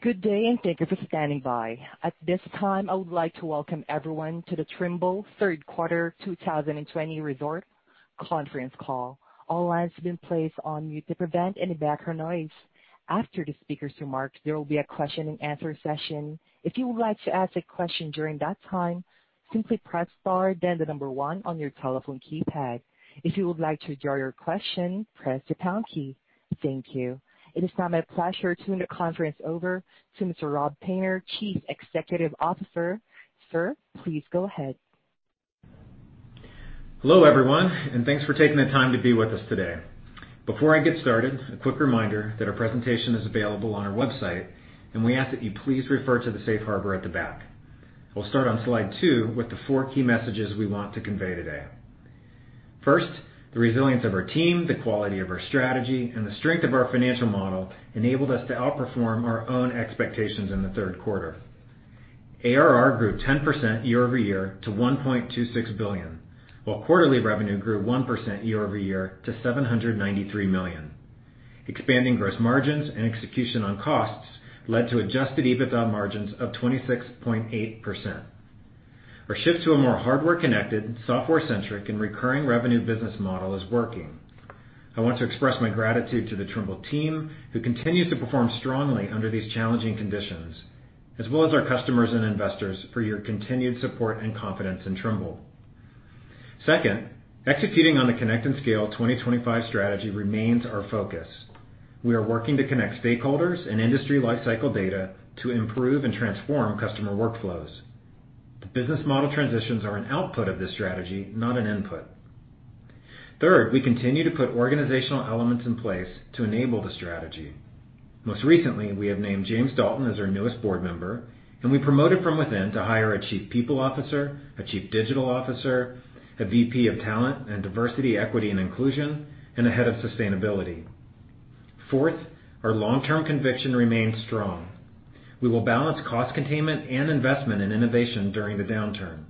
Good day, and thank you for standing by. At this time, I would like to welcome everyone to the Trimble Third Quarter 2020 Results Conference Call. All lines have been placed on mute to prevent any background noise. After the speakers remarks, there will be a question and answer session. If you would like to ask a question during that time, simply press star then the number one on your telephone keypad. If you would like to withdraw your question, press the pound key. Thank you. It is now my pleasure to turn the conference over to Mr. Rob Painter, Chief Executive Officer. Sir, please go ahead. Hello, everyone, and thanks for taking the time to be with us today. Before I get started, a quick reminder that our presentation is available on our website, and we ask that you please refer to the safe harbor at the back. We'll start on slide two with the four key messages we want to convey today. First, the resilience of our team, the quality of our strategy, and the strength of our financial model enabled us to outperform our own expectations in the third quarter. ARR grew 10% year-over-year to $1.26 billion, while quarterly revenue grew 1% year-over-year to $793 million. Expanding gross margins and execution on costs led to adjusted EBITDA margins of 26.8%. Our shift to a more hardware connected, software centric, and recurring revenue business model is working. I want to express my gratitude to the Trimble team, who continues to perform strongly under these challenging conditions, as well as our customers and investors for your continued support and confidence in Trimble. Second, executing on the Connect and Scale 2025 strategy remains our focus. We are working to connect stakeholders and industry lifecycle data to improve and transform customer workflows. The business model transitions are an output of this strategy, not an input. Third, we continue to put organizational elements in place to enable the strategy. Most recently, we have named James Dalton as our newest board member, and we promoted from within to hire a Chief People Officer, a Chief Digital Officer, a VP of Talent and Diversity, Equity, and Inclusion, and a Head of Sustainability. Fourth, our long-term conviction remains strong. We will balance cost containment and investment in innovation during the downturn.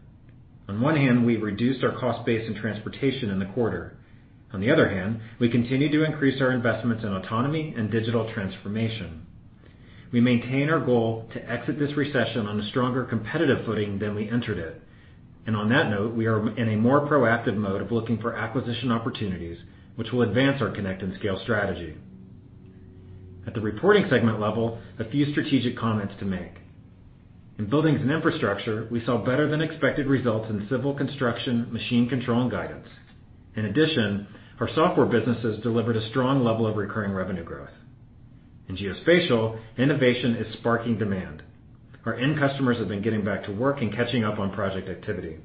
On one hand, we reduced our cost base and transportation in the quarter. On the other hand, we continue to increase our investments in autonomy and digital transformation. We maintain our goal to exit this recession on a stronger competitive footing than we entered it. On that note, we are in a more proactive mode of looking for acquisition opportunities, which will advance our Connect and Scale strategy. At the reporting segment level, a few strategic comments to make. In Buildings and Infrastructure, we saw better than expected results in civil construction, machine control, and guidance. In addition, our software businesses delivered a strong level of recurring revenue growth. In Geospatial, innovation is sparking demand. Our end customers have been getting back to work and catching up on project activity.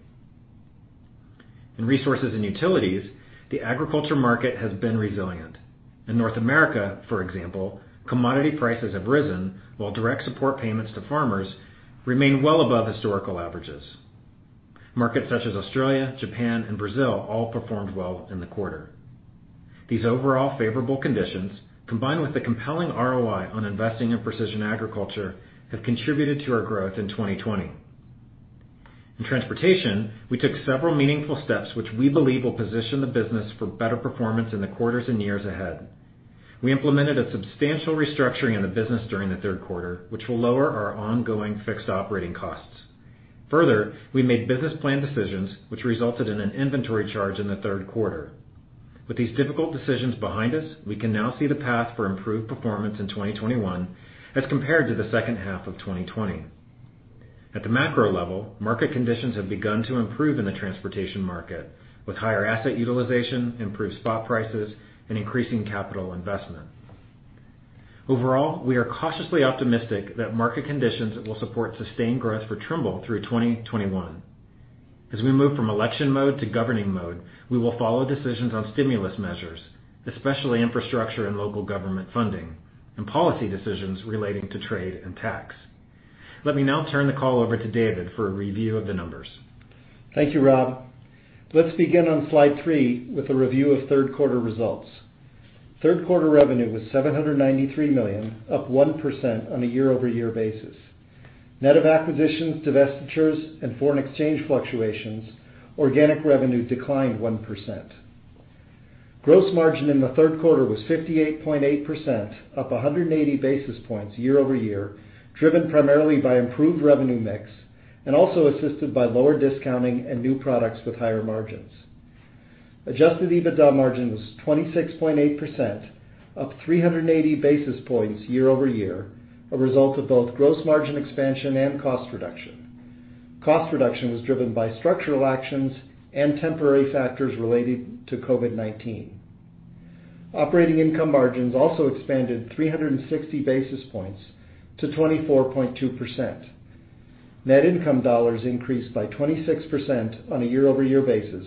In Resources and Utilities, the agriculture market has been resilient. In North America, for example, commodity prices have risen while direct support payments to farmers remain well above historical averages. Markets such as Australia, Japan, and Brazil all performed well in the quarter. These overall favorable conditions, combined with the compelling ROI on investing in precision agriculture, have contributed to our growth in 2020. In Transportation, we took several meaningful steps which we believe will position the business for better performance in the quarters and years ahead. We implemented a substantial restructuring in the business during the third quarter, which will lower our ongoing fixed operating costs. Further, we made business plan decisions, which resulted in an inventory charge in the third quarter. With these difficult decisions behind us, we can now see the path for improved performance in 2021 as compared to the second half of 2020. At the macro level, market conditions have begun to improve in the transportation market with higher asset utilization, improved spot prices, and increasing capital investment. Overall, we are cautiously optimistic that market conditions will support sustained growth for Trimble through 2021. As we move from election mode to governing mode, we will follow decisions on stimulus measures, especially infrastructure and local government funding, and policy decisions relating to trade and tax. Let me now turn the call over to David for a review of the numbers. Thank you, Rob. Let's begin on slide three with a review of third quarter results. Third quarter revenue was $793 million, up 1% on a year-over-year basis. Net of acquisitions, divestitures, and foreign exchange fluctuations, organic revenue declined 1%. Gross margin in the third quarter was 58.8%, up 180 basis points year-over-year, driven primarily by improved revenue mix and also assisted by lower discounting and new products with higher margins. Adjusted EBITDA margin was 26.8%, up 380 basis points year-over-year, a result of both gross margin expansion and cost reduction. Cost reduction was driven by structural actions and temporary factors related to COVID-19. Operating income margins also expanded 360 basis points to 24.2%. Net income dollars increased by 26% on a year-over-year basis,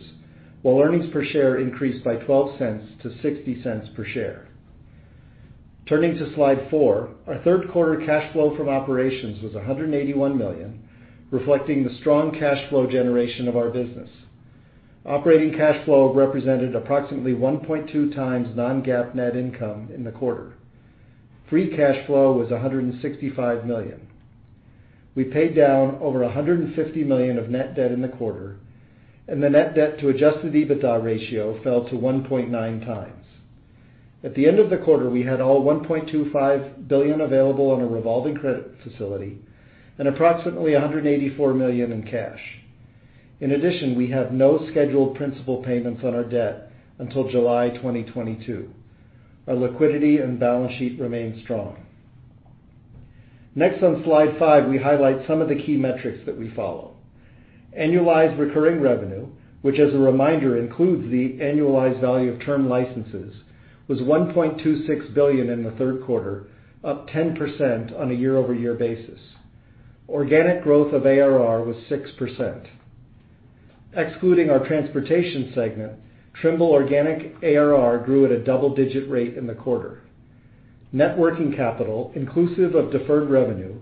while earnings per share increased by $0.12 to $0.60 per share. Turning to slide four, our third quarter cash flow from operations was $181 million, reflecting the strong cash flow generation of our business. Operating cash flow represented approximately 1.2x non-GAAP net income in the quarter. Free cash flow was $165 million. We paid down over $150 million of net debt in the quarter, the net debt to adjusted EBITDA ratio fell to 1.9x. At the end of the quarter, we had all $1.25 billion available on a revolving credit facility and approximately $184 million in cash. In addition, we have no scheduled principal payments on our debt until July 2022. Our liquidity and balance sheet remain strong. Next, on slide five, we highlight some of the key metrics that we follow. Annualized recurring revenue, which as a reminder, includes the annualized value of term licenses, was $1.26 billion in the third quarter, up 10% on a year-over-year basis. Organic growth of ARR was 6%. Excluding our Transportation segment, Trimble organic ARR grew at a double-digit rate in the quarter. Net working capital, inclusive of deferred revenue,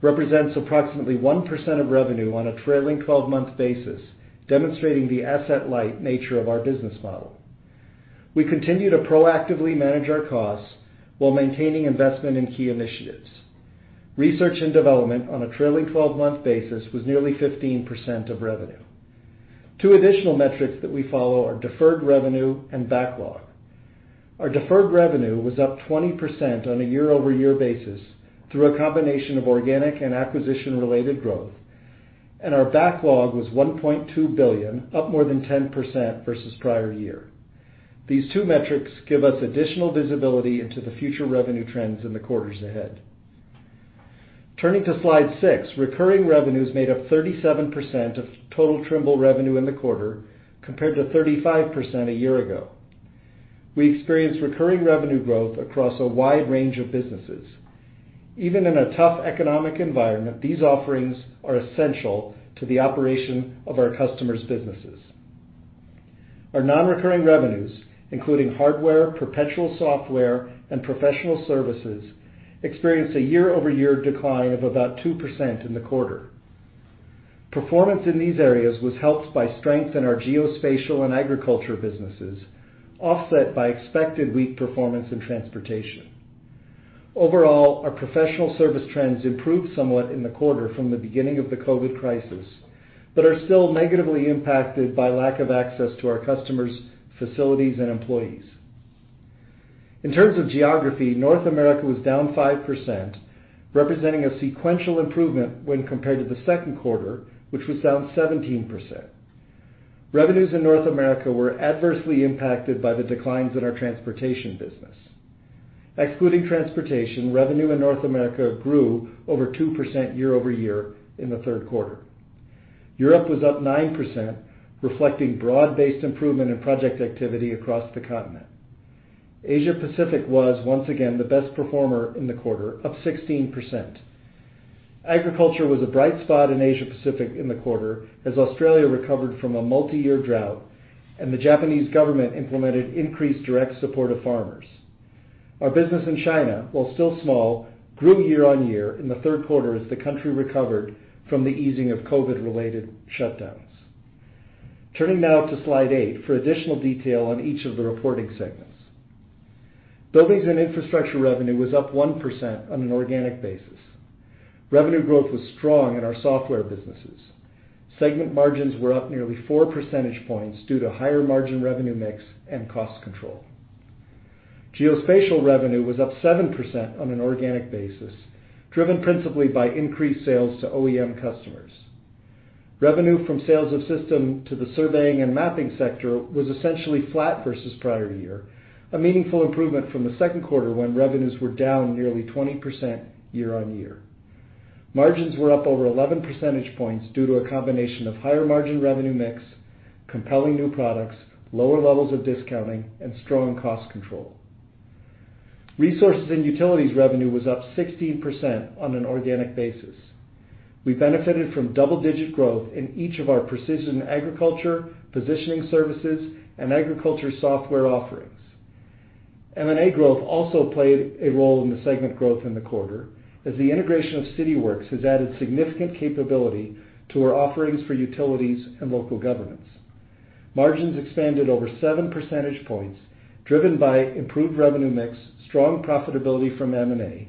represents approximately 1% of revenue on a trailing 12-month basis, demonstrating the asset-light nature of our business model. We continue to proactively manage our costs while maintaining investment in key initiatives. Research and development on a trailing 12-month basis was nearly 15% of revenue. Two additional metrics that we follow are deferred revenue and backlog. Our deferred revenue was up 20% on a year-over-year basis through a combination of organic and acquisition-related growth, and our backlog was $1.2 billion, up more than 10% versus prior year. These two metrics give us additional visibility into the future revenue trends in the quarters ahead. Turning to slide six, recurring revenues made up 37% of total Trimble revenue in the quarter, compared to 35% a year ago. We experienced recurring revenue growth across a wide range of businesses. Even in a tough economic environment, these offerings are essential to the operation of our customers' businesses. Our non-recurring revenues, including hardware, perpetual software, and professional services, experienced a year-over-year decline of about 2% in the quarter. Performance in these areas was helped by strength in our Geospatial and agriculture businesses, offset by expected weak performance in Transportation. Overall, our professional service trends improved somewhat in the quarter from the beginning of the COVID-19 crisis, but are still negatively impacted by lack of access to our customers' facilities and employees. In terms of geography, North America was down 5%, representing a sequential improvement when compared to the second quarter, which was down 17%. Revenues in North America were adversely impacted by the declines in our Transportation business. Excluding Transportation, revenue in North America grew over 2% year-over-year in the third quarter. Europe was up 9%, reflecting broad-based improvement in project activity across the continent. Asia Pacific was once again the best performer in the quarter, up 16%. Agriculture was a bright spot in Asia Pacific in the quarter as Australia recovered from a multi-year drought and the Japanese government implemented increased direct support of farmers. Our business in China, while still small, grew year-on-year in the third quarter as the country recovered from the easing of COVID-related shutdowns. Turning now to slide eight for additional detail on each of the reporting segments. Buildings and Infrastructure revenue was up 1% on an organic basis. Revenue growth was strong in our software businesses. Segment margins were up nearly 4 percentage points due to higher margin revenue mix and cost control. Geospatial revenue was up 7% on an organic basis, driven principally by increased sales to OEM customers. Revenue from sales of system to the surveying and mapping sector was essentially flat versus prior year, a meaningful improvement from the second quarter when revenues were down nearly 20% year-on-year. Margins were up over 11 percentage points due to a combination of higher margin revenue mix, compelling new products, lower levels of discounting, and strong cost control. Resource and Utilities revenue was up 16% on an organic basis. We benefited from double-digit growth in each of our precision agriculture, positioning services, and agriculture software offerings. M&A growth also played a role in the segment growth in the quarter as the integration of Cityworks has added significant capability to our offerings for utilities and local governments. Margins expanded over 7 percentage points, driven by improved revenue mix, strong profitability from M&A,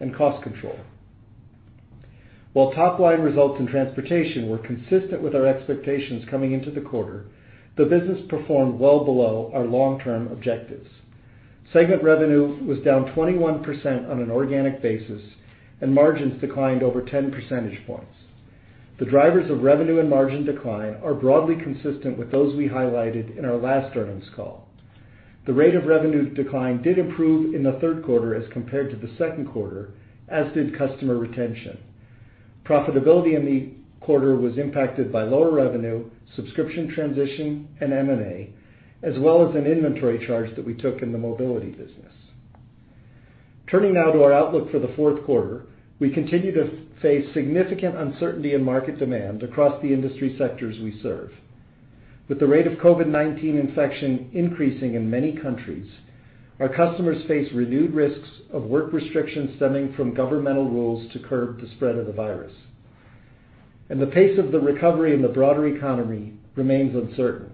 and cost control. While top-line results in Transportation were consistent with our expectations coming into the quarter, the business performed well below our long-term objectives. Segment revenue was down 21% on an organic basis, and margins declined over 10 percentage points. The drivers of revenue and margin decline are broadly consistent with those we highlighted in our last earnings call. The rate of revenue decline did improve in the third quarter as compared to the second quarter, as did customer retention. Profitability in the quarter was impacted by lower revenue, subscription transition, and M&A, as well as an inventory charge that we took in the mobility business. Turning now to our outlook for the fourth quarter. We continue to face significant uncertainty in market demand across the industry sectors we serve. With the rate of COVID-19 infection increasing in many countries, our customers face renewed risks of work restrictions stemming from governmental rules to curb the spread of the virus, and the pace of the recovery in the broader economy remains uncertain.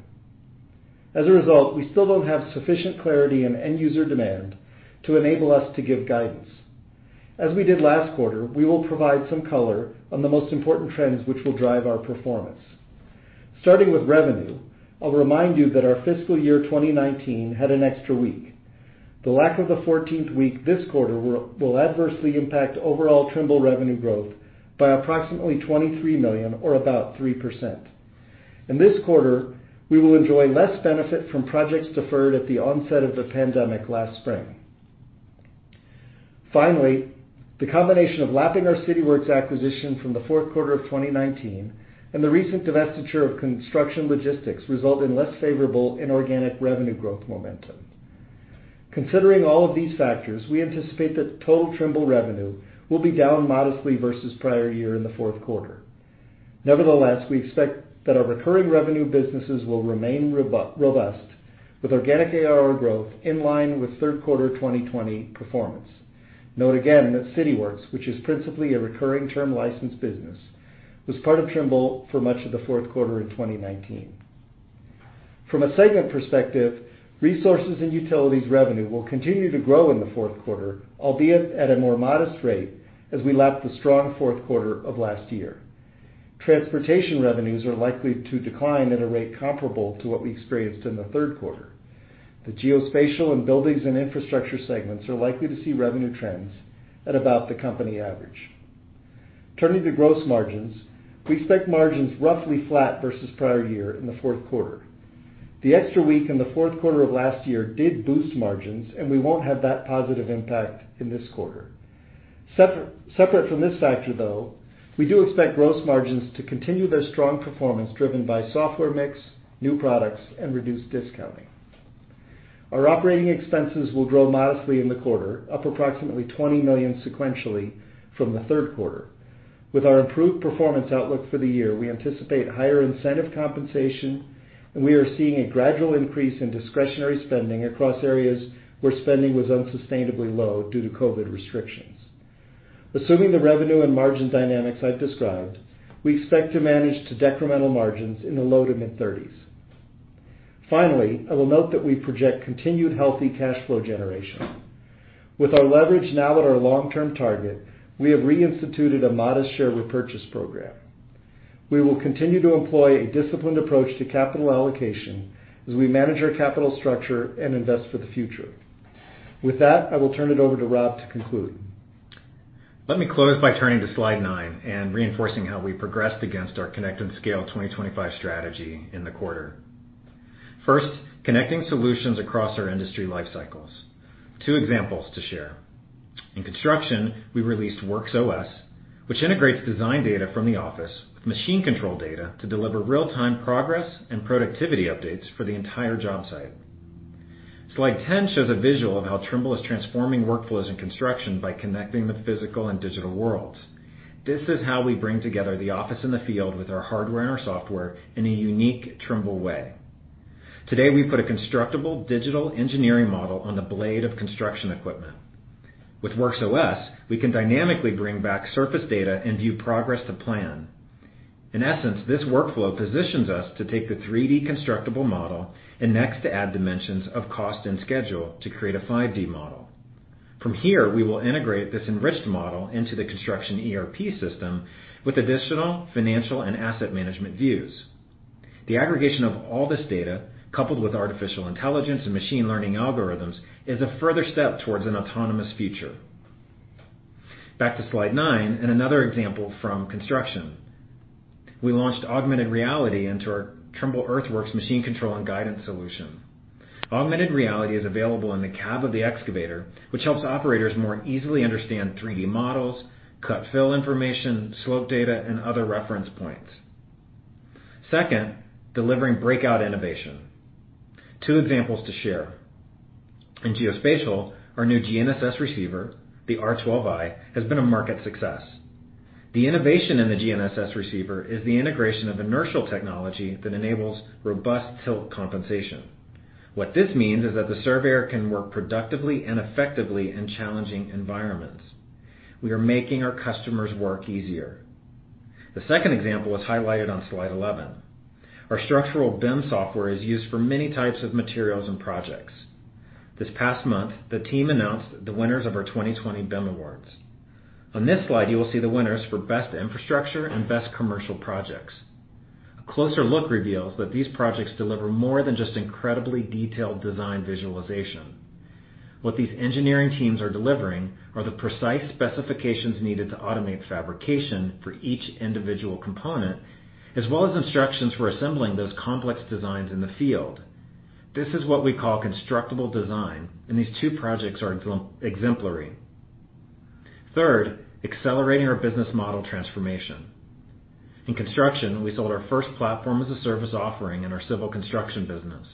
As a result, we still don't have sufficient clarity in end user demand to enable us to give guidance. As we did last quarter, we will provide some color on the most important trends which will drive our performance. Starting with revenue, I'll remind you that our fiscal year 2019 had an extra week. The lack of the 14th week this quarter will adversely impact overall Trimble revenue growth by approximately $23 million or about 3%. In this quarter, we will enjoy less benefit from projects deferred at the onset of the pandemic last spring. Finally, the combination of lapping our Cityworks acquisition from the fourth quarter of 2019 and the recent divestiture of Construction Logistics result in less favorable inorganic revenue growth momentum. Considering all of these factors, we anticipate that total Trimble revenue will be down modestly versus prior year in the fourth quarter. Nevertheless, we expect that our recurring revenue businesses will remain robust with organic ARR growth in line with third quarter 2020 performance. Note again that Cityworks, which is principally a recurring term license business, was part of Trimble for much of the fourth quarter in 2019. From a segment perspective, Resources and Utilities revenue will continue to grow in the fourth quarter, albeit at a more modest rate as we lap the strong fourth quarter of last year. Transportation revenues are likely to decline at a rate comparable to what we experienced in the third quarter. The Geospatial and Buildings and Infrastructure segments are likely to see revenue trends at about the company average. Turning to gross margins, we expect margins roughly flat versus prior year in the fourth quarter. The extra week in the fourth quarter of last year did boost margins, and we won't have that positive impact in this quarter. Separate from this factor, though, we do expect gross margins to continue their strong performance driven by software mix, new products, and reduced discounting. Our operating expenses will grow modestly in the quarter, up approximately $20 million sequentially from the third quarter. With our improved performance outlook for the year, we anticipate higher incentive compensation, and we are seeing a gradual increase in discretionary spending across areas where spending was unsustainably low due to COVID restrictions. Assuming the revenue and margin dynamics I've described, we expect to manage to decremental margins in the low to mid-30s. Finally, I will note that we project continued healthy cash flow generation. With our leverage now at our long-term target, we have reinstituted a modest share repurchase program. We will continue to employ a disciplined approach to capital allocation as we manage our capital structure and invest for the future. With that, I will turn it over to Rob to conclude. Let me close by turning to slide nine and reinforcing how we progressed against our Connect and Scale 2025 strategy in the quarter. First, connecting solutions across our industry life cycles. Two examples to share. In construction, we released WorksOS, which integrates design data from the office with machine control data to deliver real-time progress and productivity updates for the entire job site. Slide 10 shows a visual of how Trimble is transforming workflows in construction by connecting the physical and digital worlds. This is how we bring together the office and the field with our hardware and our software in a unique Trimble way. Today, we put a constructible digital engineering model on the blade of construction equipment. With WorksOS, we can dynamically bring back surface data and view progress to plan. In essence, this workflow positions us to take the 3D constructible model and next to add dimensions of cost and schedule to create a 5D model. From here, we will integrate this enriched model into the construction ERP system with additional financial and asset management views. The aggregation of all this data, coupled with artificial intelligence and machine learning algorithms, is a further step towards an autonomous future. Back to slide nine and another example from construction. We launched augmented reality into our Trimble Earthworks machine control and guidance solution. Augmented reality is available in the cab of the excavator, which helps operators more easily understand 3D models, cut/fill information, slope data, and other reference points. Second, delivering breakout innovation. Two examples to share. In Geospatial, our new GNSS receiver, the R12i, has been a market success. The innovation in the GNSS receiver is the integration of inertial technology that enables robust tilt compensation. What this means is that the surveyor can work productively and effectively in challenging environments. We are making our customers' work easier. The second example is highlighted on slide 11. Our structural BIM software is used for many types of materials and projects. This past month, the team announced the winners of our 2020 BIM Awards. On this slide, you will see the winners for best infrastructure and best commercial projects. A closer look reveals that these projects deliver more than just incredibly detailed design visualization. What these engineering teams are delivering are the precise specifications needed to automate fabrication for each individual component, as well as instructions for assembling those complex designs in the field. This is what we call constructible design, and these two projects are exemplary. Third, accelerating our business model transformation. In construction, we sold our first Platform as a Service offering in our civil construction business.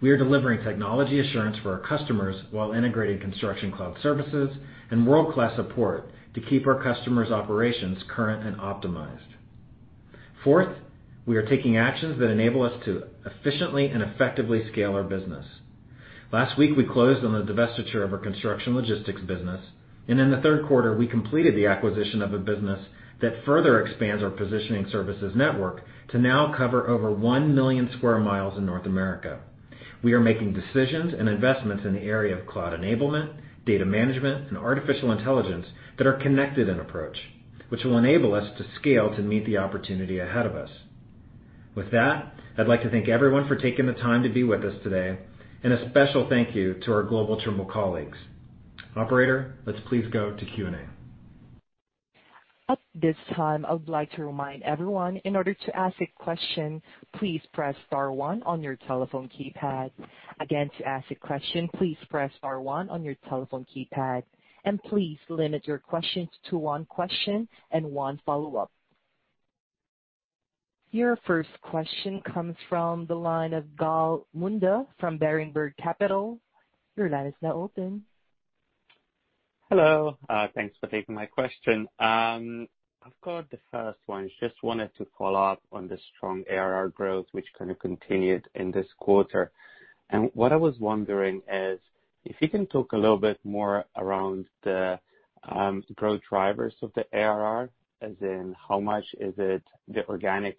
We are delivering technology assurance for our customers while integrating Construction Cloud services and world-class support to keep our customers' operations current and optimized. Fourth, we are taking actions that enable us to efficiently and effectively scale our business. Last week, we closed on the divestiture of our construction logistics business, and in the third quarter, we completed the acquisition of a business that further expands our positioning services network to now cover over 1 million square miles in North America. We are making decisions and investments in the area of cloud enablement, data management, and artificial intelligence that are connected in approach, which will enable us to scale to meet the opportunity ahead of us. With that, I'd like to thank everyone for taking the time to be with us today, and a special thank you to our global Trimble colleagues. Operator, let's please go to Q&A. At this time, I would like to remind everyone, in order to ask a question, please press star one on your telephone keypad. Again, to ask a question, please press star one on your telephone keypad. Please limit your questions to one question and one follow-up. Your first question comes from the line of Gal Munda from Berenberg Capital. Your line is now open. Hello. Thanks for taking my question. I've got the first one. Just wanted to follow up on the strong ARR growth, which kind of continued in this quarter. What I was wondering is, if you can talk a little bit more around the growth drivers of the ARR, as in how much is it the organic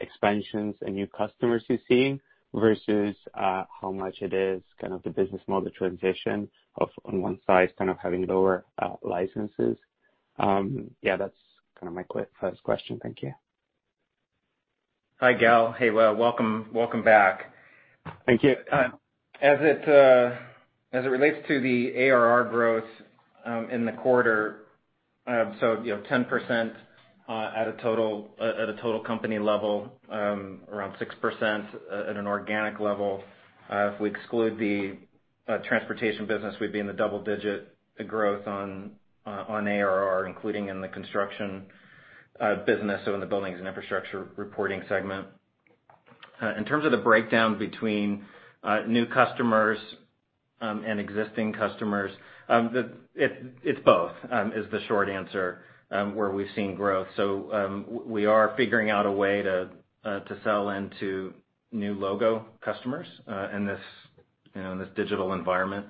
expansions and new customers you're seeing, versus how much it is kind of the business model transition of, on one side, kind of having lower licenses. Yeah, that's kind of my quick first question. Thank you. Hi, Gal. Hey, welcome back. Thank you. As it relates to the ARR growth in the quarter, 10% at a total company level, around 6% at an organic level. If we exclude the Transportation business, we'd be in the double-digit growth on ARR, including in the Construction business, so in the Buildings and Infrastructure reporting segment. In terms of the breakdown between new customers and existing customers, it's both, is the short answer, where we've seen growth. We are figuring out a way to sell into new logo customers in this digital environment.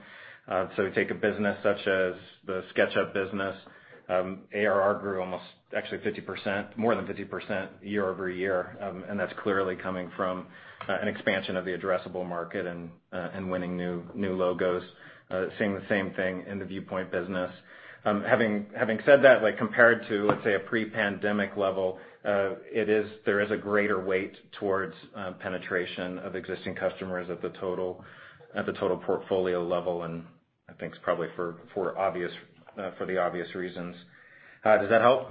We take a business such as the SketchUp business, ARR grew almost actually 50%, more than 50% year-over-year. That's clearly coming from an expansion of the addressable market and winning new logos. Seeing the same thing in the Viewpoint business. Having said that, compared to, let's say, a pre-pandemic level, there is a greater weight towards penetration of existing customers at the total portfolio level, and I think it's probably for the obvious reasons. Does that help?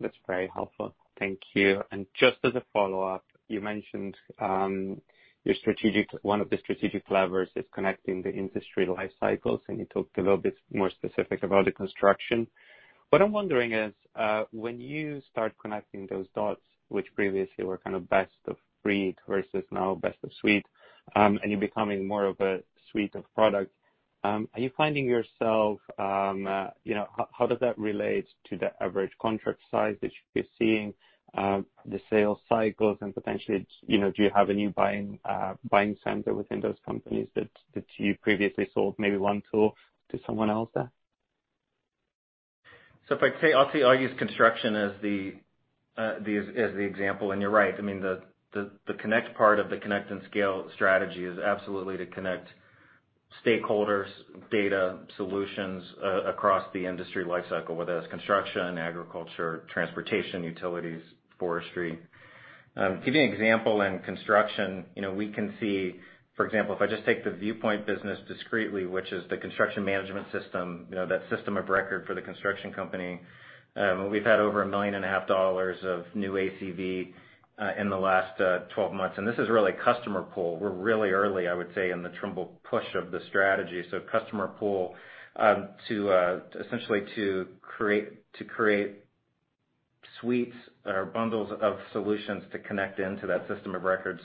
That's very helpful. Thank you. Just as a follow-up, you mentioned one of the strategic levers is connecting the industry life cycles, and you talked a little bit more specific about the construction. What I'm wondering is, when you start connecting those dots, which previously were kind of best of breed versus now best of suite, and you're becoming more of a suite of product, how does that relate to the average contract size that you'll be seeing, the sales cycles, and potentially, do you have a new buying center within those companies that you previously sold maybe one tool to someone else there? If I say, I'll use construction as the example, and you're right. The Connect part of the Connect and Scale strategy is absolutely to connect stakeholders, data, solutions, across the industry life cycle, whether that's construction, agriculture, transportation, utilities, forestry. Give you an example in construction, we can see, for example, if I just take the Viewpoint business discreetly, which is the construction management system, that system of record for the construction company. We've had over $1.5 million of new ACV in the last 12 months. This is really customer pull. We're really early, I would say, in the Trimble push of the strategy. Customer pull, essentially to create suites or bundles of solutions to connect into that system of record.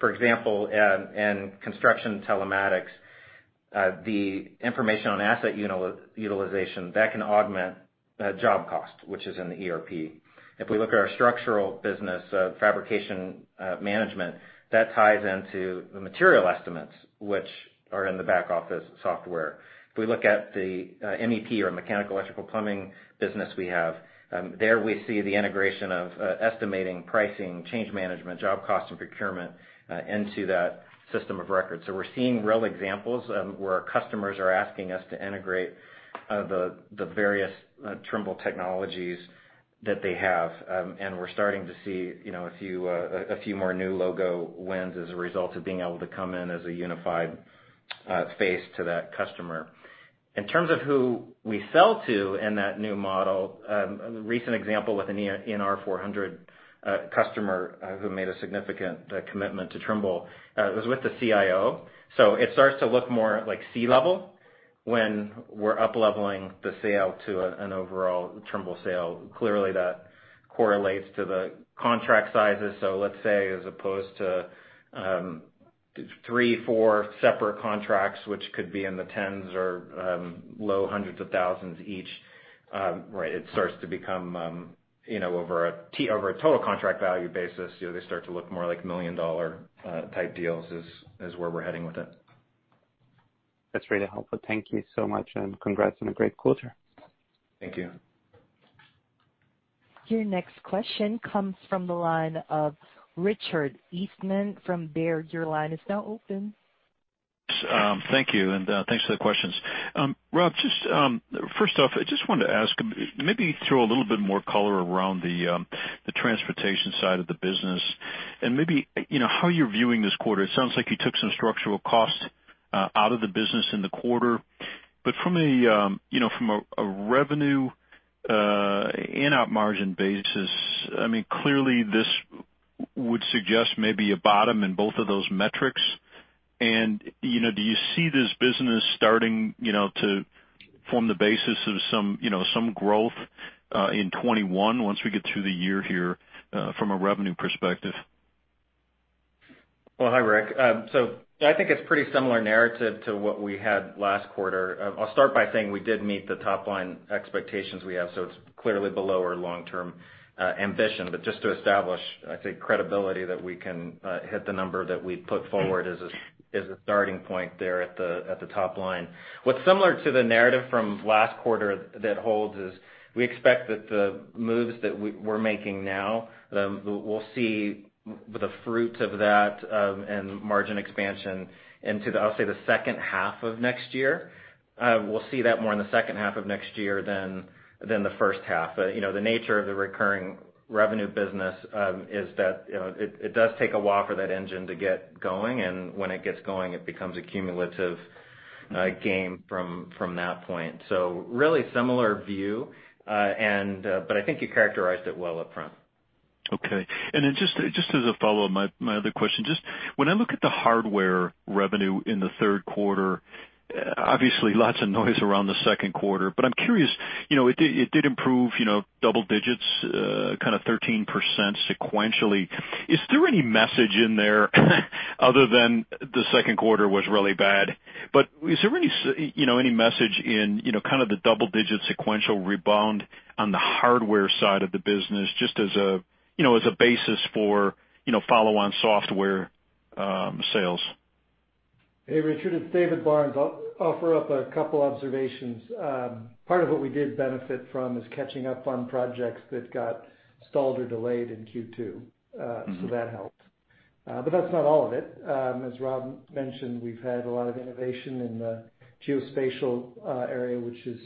For example, in construction telematics, the information on asset utilization, that can augment job cost, which is in the ERP. If we look at our structural business fabrication management, that ties into the material estimates, which are in the back office software. If we look at the MEP or mechanical electrical plumbing business we have, there we see the integration of estimating, pricing, change management, job cost, and procurement into that system of record. We're seeing real examples where our customers are asking us to integrate the various Trimble technologies that they have. We're starting to see a few more new logo wins as a result of being able to come in as a unified face to that customer. In terms of who we sell to in that new model, a recent example with an ENR 400 customer who made a significant commitment to Trimble, was with the CIO. It starts to look more like C-level when we're up-leveling the sale to an overall Trimble sale. Clearly, that correlates to the contract sizes. Let's say as opposed to three, four separate contracts, which could be in the tens or low hundreds of thousands each, it starts to become over a total contract value basis, they start to look more like million-dollar type deals, is where we're heading with it. That's really helpful. Thank you so much. Congrats on a great quarter. Thank you. Your next question comes from the line of Richard Eastman from Baird. Your line is now open. Thank you, and thanks for the questions. Rob, first off, I just wanted to ask, maybe throw a little bit more color around the Transportation side of the business and maybe how you're viewing this quarter. It sounds like you took some structural costs out of the business in the quarter, but from a revenue and op margin basis, clearly this would suggest maybe a bottom in both of those metrics. Do you see this business starting to form the basis of some growth in 2021 once we get through the year here from a revenue perspective? Hi, Rick. I think it's pretty similar narrative to what we had last quarter. I'll start by saying we did meet the top-line expectations we have, so it's clearly below our long-term ambition. Just to establish, I'd say, credibility that we can hit the number that we put forward as a starting point there at the top line. What's similar to the narrative from last quarter that holds is we expect that the moves that we're making now, we'll see the fruits of that, and margin expansion into, I'll say, the second half of next year. We'll see that more in the second half of next year than the first half. The nature of the recurring revenue business is that it does take a while for that engine to get going, and when it gets going, it becomes a cumulative game from that point. Really similar view, but I think you characterized it well upfront. Okay. Just as a follow-up, my other question, just when I look at the hardware revenue in the third quarter, obviously lots of noise around the second quarter, I'm curious, it did improve double digits, kind of 13% sequentially. Is there any message in there other than the second quarter was really bad? Is there any message in kind of the double-digit sequential rebound on the hardware side of the business, just as a basis for follow-on software sales? Hey, Richard, it's David Barnes. I'll offer up a couple observations. Part of what we did benefit from is catching up on projects that got stalled or delayed in Q2. That helped. That's not all of it. As Rob mentioned, we've had a lot of innovation in the geospatial area, which is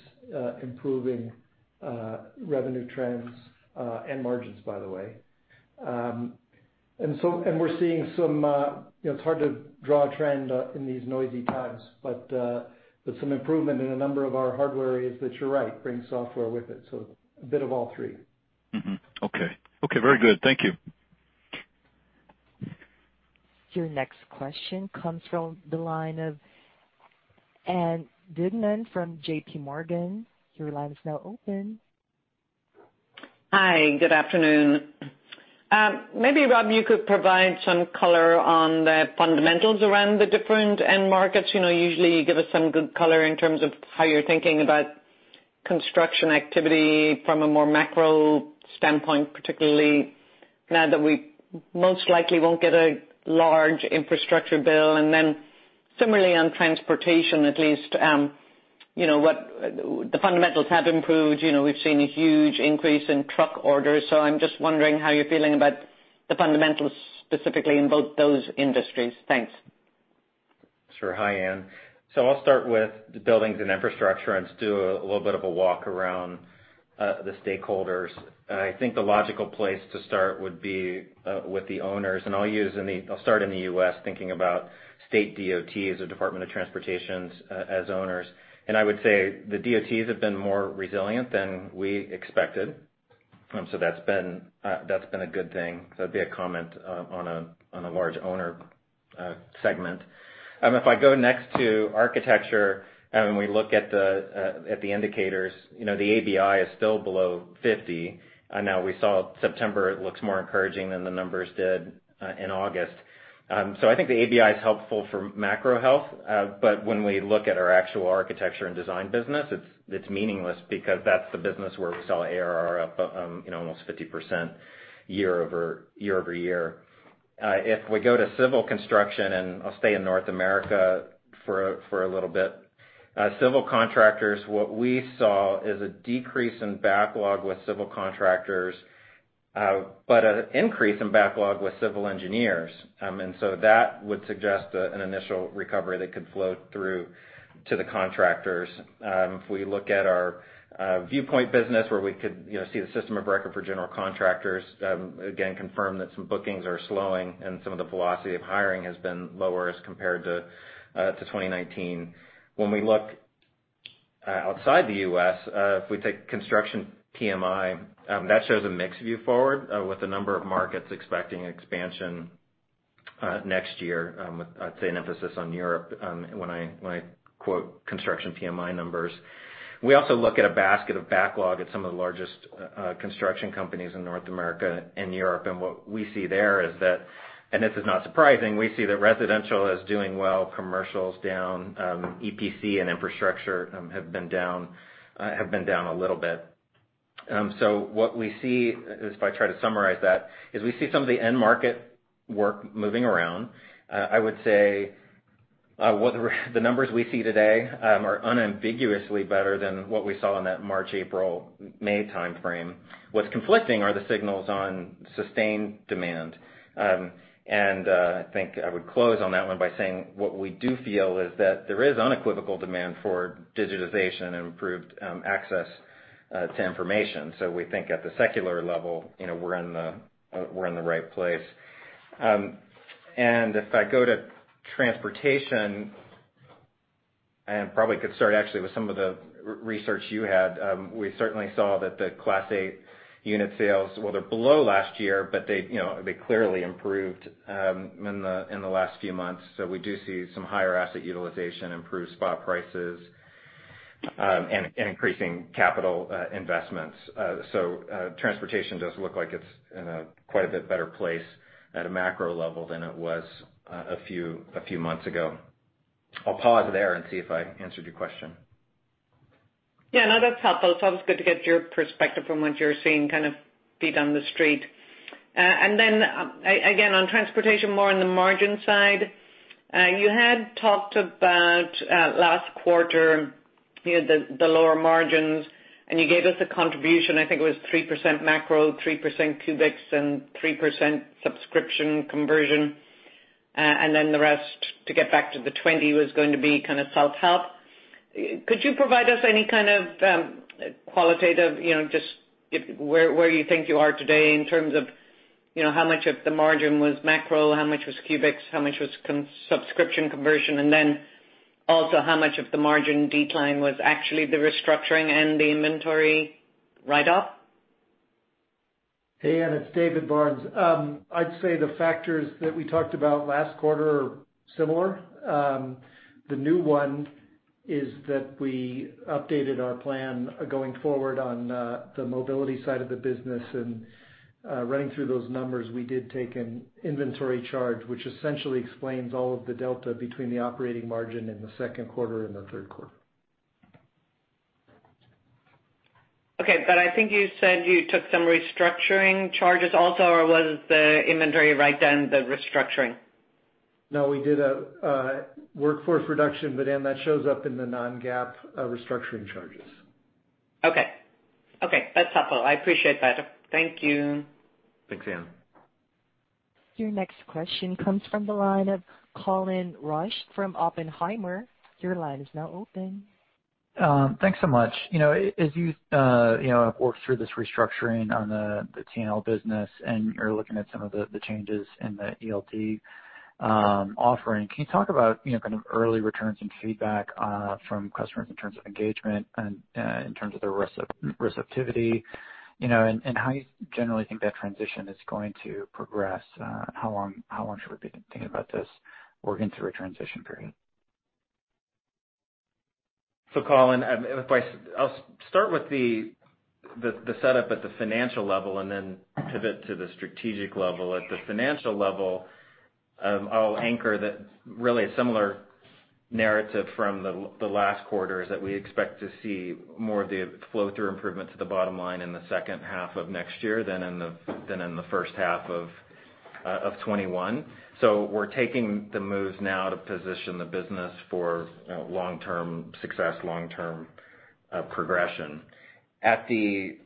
improving revenue trends and margins, by the way. We're seeing some It's hard to draw a trend in these noisy times, but some improvement in a number of our hardware areas that you're right, bring software with it, so a bit of all three. Mm-hmm. Okay. Okay, very good. Thank you. Your next question comes from the line of Ann Duignan from JPMorgan. Your line is now open. Hi, good afternoon. Maybe, Rob, you could provide some color on the fundamentals around the different end markets. Usually you give us some good color in terms of how you're thinking about construction activity from a more macro standpoint, particularly now that we most likely won't get a large infrastructure bill. Similarly on Transportation at least, the fundamentals have improved. We've seen a huge increase in truck orders. I'm just wondering how you're feeling about the fundamentals specifically in both those industries. Thanks. Sure. Hi, Ann. I'll start with the Buildings and Infrastructure and just do a little bit of a walk around the stakeholders. I think the logical place to start would be with the owners, and I'll start in the U.S. thinking about state DOTs or Department of Transportation as owners. I would say the DOTs have been more resilient than we expected. That's been a good thing. That'd be a comment on a large owner segment. If I go next to architecture and we look at the indicators, the ABI is still below 50. We saw September, it looks more encouraging than the numbers did in August. I think the ABI is helpful for macro health. When we look at our actual architecture and design business, it's meaningless because that's the business where we saw ARR up almost 50% year-over-year. If we go to civil construction, I'll stay in North America for a little bit. Civil contractors, what we saw is a decrease in backlog with civil contractors, but an increase in backlog with civil engineers. That would suggest an initial recovery that could flow through to the contractors. If we look at our Viewpoint business where we could see the system of record for general contractors, again, confirm that some bookings are slowing and some of the velocity of hiring has been lower as compared to 2019. When we look outside the U.S., if we take construction PMI, that shows a mixed view forward with a number of markets expecting expansion next year, with, I'd say, an emphasis on Europe when I quote construction [TMI] numbers. We also look at a basket of backlog at some of the largest construction companies in North America and Europe. What we see there is that, and this is not surprising, we see that residential is doing well, commercial's down, EPC and infrastructure have been down a little bit. So what we see, if I try to summarize that, is we see some of the end market work moving around. I would say the numbers we see today are unambiguously better than what we saw in that March, April, May timeframe. What's conflicting are the signals on sustained demand. I think I would close on that one by saying what we do feel is that there is unequivocal demand for digitization and improved access to information. We think at the secular level, we're in the right place. If I go to Transportation, and probably could start actually with some of the research you had. We certainly saw that the Class 8 unit sales, while they're below last year, they clearly improved in the last few months. We do see some higher asset utilization, improved spot prices, and increasing capital investments. Transportation does look like it's in a quite a bit better place at a macro level than it was a few months ago. I'll pause there and see if I answered your question. Yeah, no, that's helpful. It's always good to get your perspective from what you're seeing kind of feet on the street. Again, on Transportation, more on the margin side. You had talked about, last quarter, the lower margins, and you gave us a contribution, I think it was 3% macro, 3%, and 3% subscription conversion. The rest to get back to the 20 was going to be kind of self-help. Could you provide us any kind of qualitative, just where you think you are today in terms of how much of the margin was macro, how much was, how much was subscription conversion, and then also how much of the margin decline was actually the restructuring and the inventory write-off? Hey, Ann, it's David Barnes. I'd say the factors that we talked about last quarter are similar. The new one is that we updated our plan going forward on the mobility side of the business. Running through those numbers, we did take an inventory charge, which essentially explains all of the delta between the operating margin in the second quarter and the third quarter. Okay, I think you said you took some restructuring charges also, or was the inventory write-down the restructuring? No, we did a workforce reduction, but, Ann, that shows up in the non-GAAP restructuring charges. Okay. That's helpful. I appreciate that. Thank you. Thanks, Ann. Your next question comes from the line of Colin Rusch from Oppenheimer. Your line is now open. Thanks so much. As you have worked through this restructuring on the T&L business, and you're looking at some of the changes in the ELD offering, can you talk about kind of early returns and feedback from customers in terms of engagement and in terms of the receptivity, and how you generally think that transition is going to progress? How long should we be thinking about this working through a transition period? Colin, I'll start with the setup at the financial level and then pivot to the strategic level. At the financial level, I'll anchor that really a similar narrative from the last quarter is that we expect to see more of the flow-through improvement to the bottom line in the second half of next year than in the first half of 2021. We're taking the moves now to position the business for long-term success, long-term progression. That's the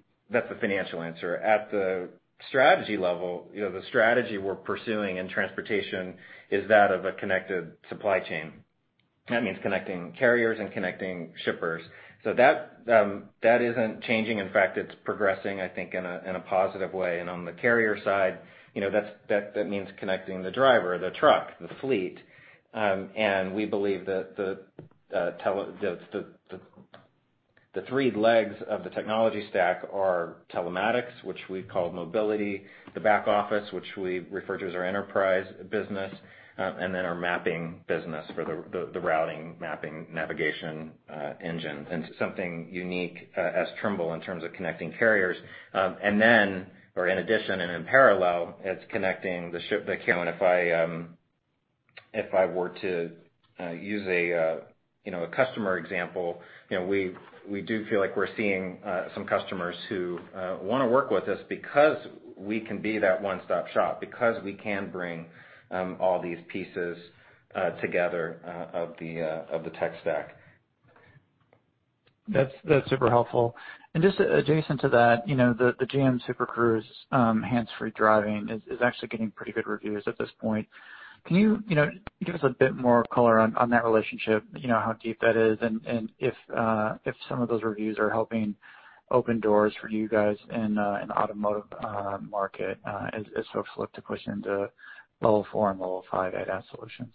financial answer. At the strategy level, the strategy we're pursuing in Transportation is that of a connected supply chain. That means connecting carriers and connecting shippers. That isn't changing. In fact, it's progressing, I think, in a positive way. On the carrier side, that means connecting the driver, the truck, the fleet. We believe that the three legs of the technology stack are telematics, which we call mobility, the back office, which we refer to as our enterprise business, and then our mapping business for the routing, mapping, navigation engine. Something unique as Trimble in terms of connecting carriers. Then, or in addition and in parallel, if I were to use a customer example, we do feel like we're seeing some customers who want to work with us because we can be that one-stop shop, because we can bring all these pieces together of the tech stack. That's super helpful. Just adjacent to that, the GM Super Cruise hands-free driving is actually getting pretty good reviews at this point. Can you give us a bit more color on that relationship, how deep that is and if some of those reviews are helping open doors for you guys in the automotive market as folks look to push into level 4 and level 5 ADAS solutions?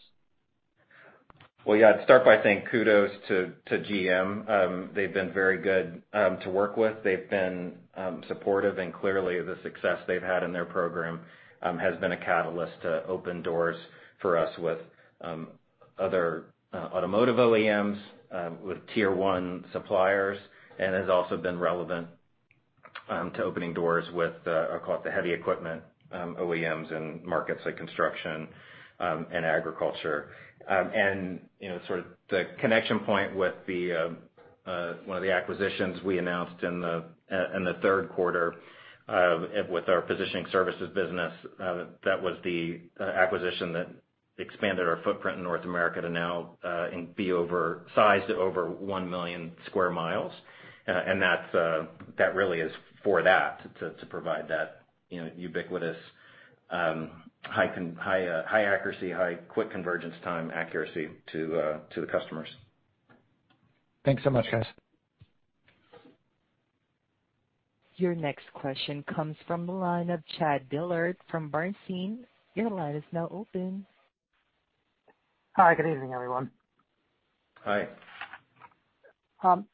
Well, yeah, I'd start by saying kudos to GM. They've been very good to work with. They've been supportive, clearly the success they've had in their program has been a catalyst to open doors for us with other automotive OEMs, with tier 1 suppliers, and has also been relevant to opening doors with I call it the heavy equipment OEMs in markets like construction and agriculture. Sort of the connection point with one of the acquisitions we announced in the third quarter with our positioning services business, that was the acquisition that expanded our footprint in North America to now be sized over 1 million square miles. That really is for that, to provide that ubiquitous, high accuracy, quick convergence time accuracy to the customers. Thanks so much, guys. Your next question comes from the line of Chad Dillard from Bernstein. Your line is now open. Hi. Good evening, everyone. Hi. Can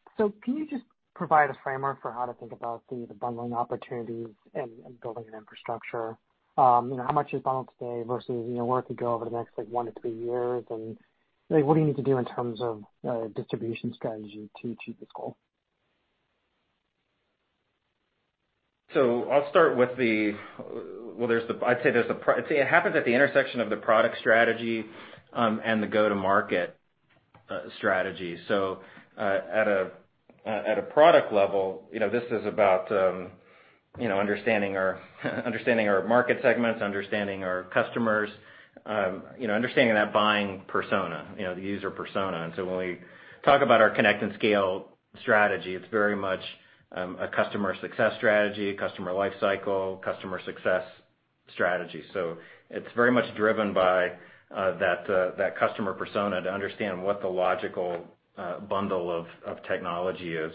you just provide a framework for how to think about the bundling opportunities and building an infrastructure? How much is bundled today versus where it could go over the next one to three years, and what do you need to do in terms of distribution strategy to achieve this goal? It happens at the intersection of the product strategy and the go-to-market strategy. At a product level, this is about understanding our market segments, understanding our customers, understanding that buying persona, the user persona. When we talk about our Connect and Scale strategy, it's very much a customer success strategy, a customer lifecycle, customer success strategy. It's very much driven by that customer persona to understand what the logical bundle of technology is.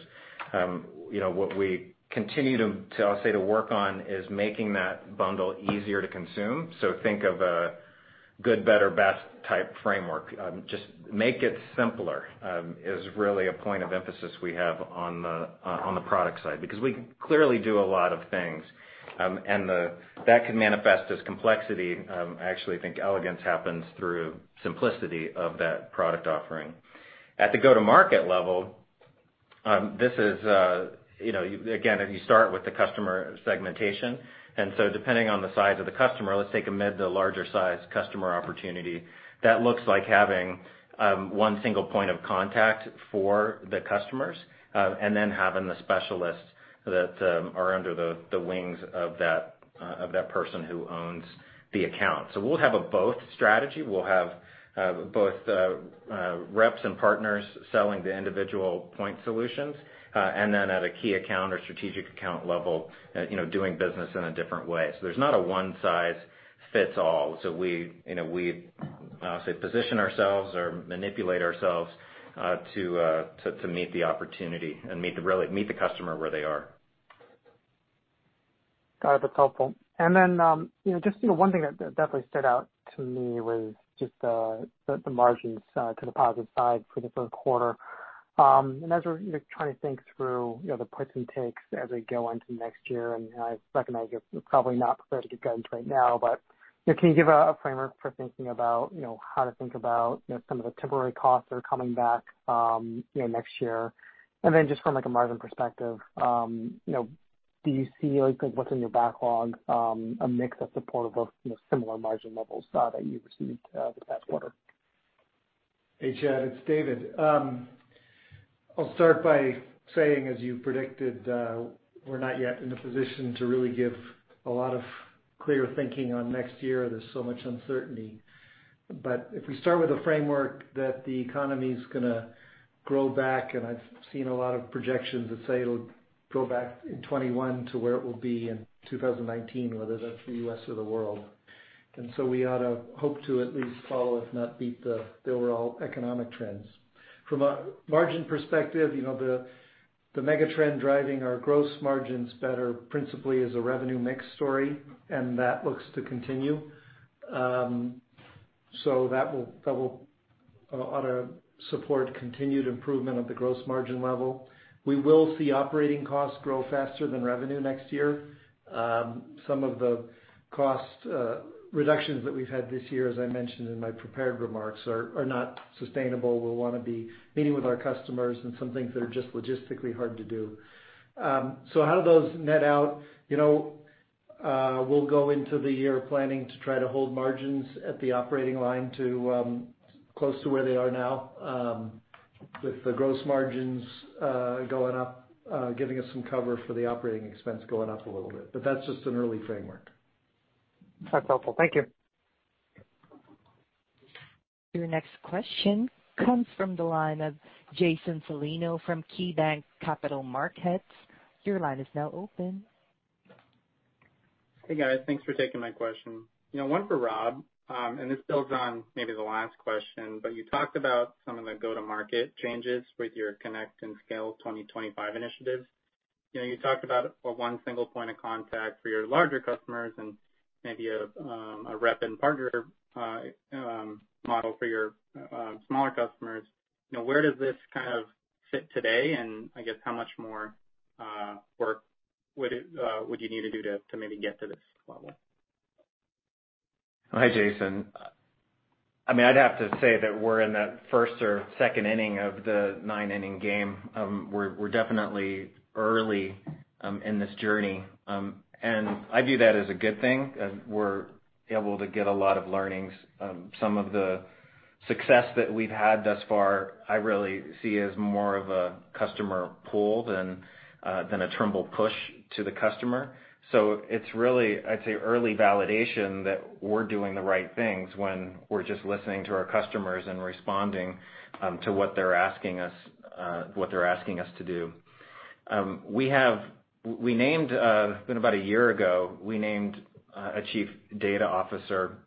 What we continue, I'll say, to work on is making that bundle easier to consume. Think of a good, better, best type framework. Just make it simpler is really a point of emphasis we have on the product side, because we clearly do a lot of things, and that can manifest as complexity. I actually think elegance happens through simplicity of that product offering. At the go-to-market level, again, you start with the customer segmentation, and so depending on the size of the customer, let's take a mid to larger size customer opportunity. That looks like having one single point of contact for the customers, and then having the specialists that are under the wings of that person who owns the account. We'll have a both strategy. We'll have both reps and partners selling the individual point solutions, and then at a key account or strategic account level, doing business in a different way. There's not a one size fits all. We position ourselves or manipulate ourselves to meet the opportunity and meet the customer where they are. Got it. That's helpful. Then, just one thing that definitely stood out to me was just the margins to the positive side for the third quarter. As we're trying to think through the puts and takes as we go into next year, and I recognize you're probably not prepared to give guidance right now, but can you give a framework for how to think about some of the temporary costs that are coming back next year? Then just from a margin perspective, do you see, like with what's in your backlog, a mix that's supportive of similar margin levels that you received this past quarter? Hey, Chad, it's David. I'll start by saying, as you predicted, we're not yet in a position to really give a lot of clear thinking on next year. There's so much uncertainty. If we start with a framework that the economy's going to grow back, I've seen a lot of projections that say it'll go back in 2021 to where it will be in 2019, whether that's the U.S. or the world. We ought to hope to at least follow, if not beat the overall economic trends. From a margin perspective, the mega trend driving our gross margins better principally is a revenue mix story, that looks to continue. That will ought to support continued improvement of the gross margin level. We will see operating costs grow faster than revenue next year. Some of the cost reductions that we've had this year, as I mentioned in my prepared remarks, are not sustainable. We'll want to be meeting with our customers and some things that are just logistically hard to do. How do those net out? We'll go into the year planning to try to hold margins at the operating line to close to where they are now with the gross margins going up, giving us some cover for the operating expense going up a little bit. That's just an early framework. That's helpful. Thank you. Your next question comes from the line of Jason Celino from KeyBanc Capital Markets. Your line is now open. Hey, guys. Thanks for taking my question. One for Rob, and this builds on maybe the last question, but you talked about some of the go-to-market changes with your Connect and Scale 2025 initiatives. You talked about one single point of contact for your larger customers and maybe a rep and partner model for your smaller customers. Where does this kind of fit today, and I guess how much more work would you need to do to maybe get to this level? Hi, Jason. I'd have to say that we're in that first or second inning of the nine-inning game. We're definitely early in this journey. I view that as a good thing, as we're able to get a lot of learnings. Some of the success that we've had thus far, I really see as more of a customer pull than a Trimble push to the customer. It's really, I'd say, early validation that we're doing the right things when we're just listening to our customers and responding to what they're asking us to do. It's been about a year ago, we named a Chief Data Officer.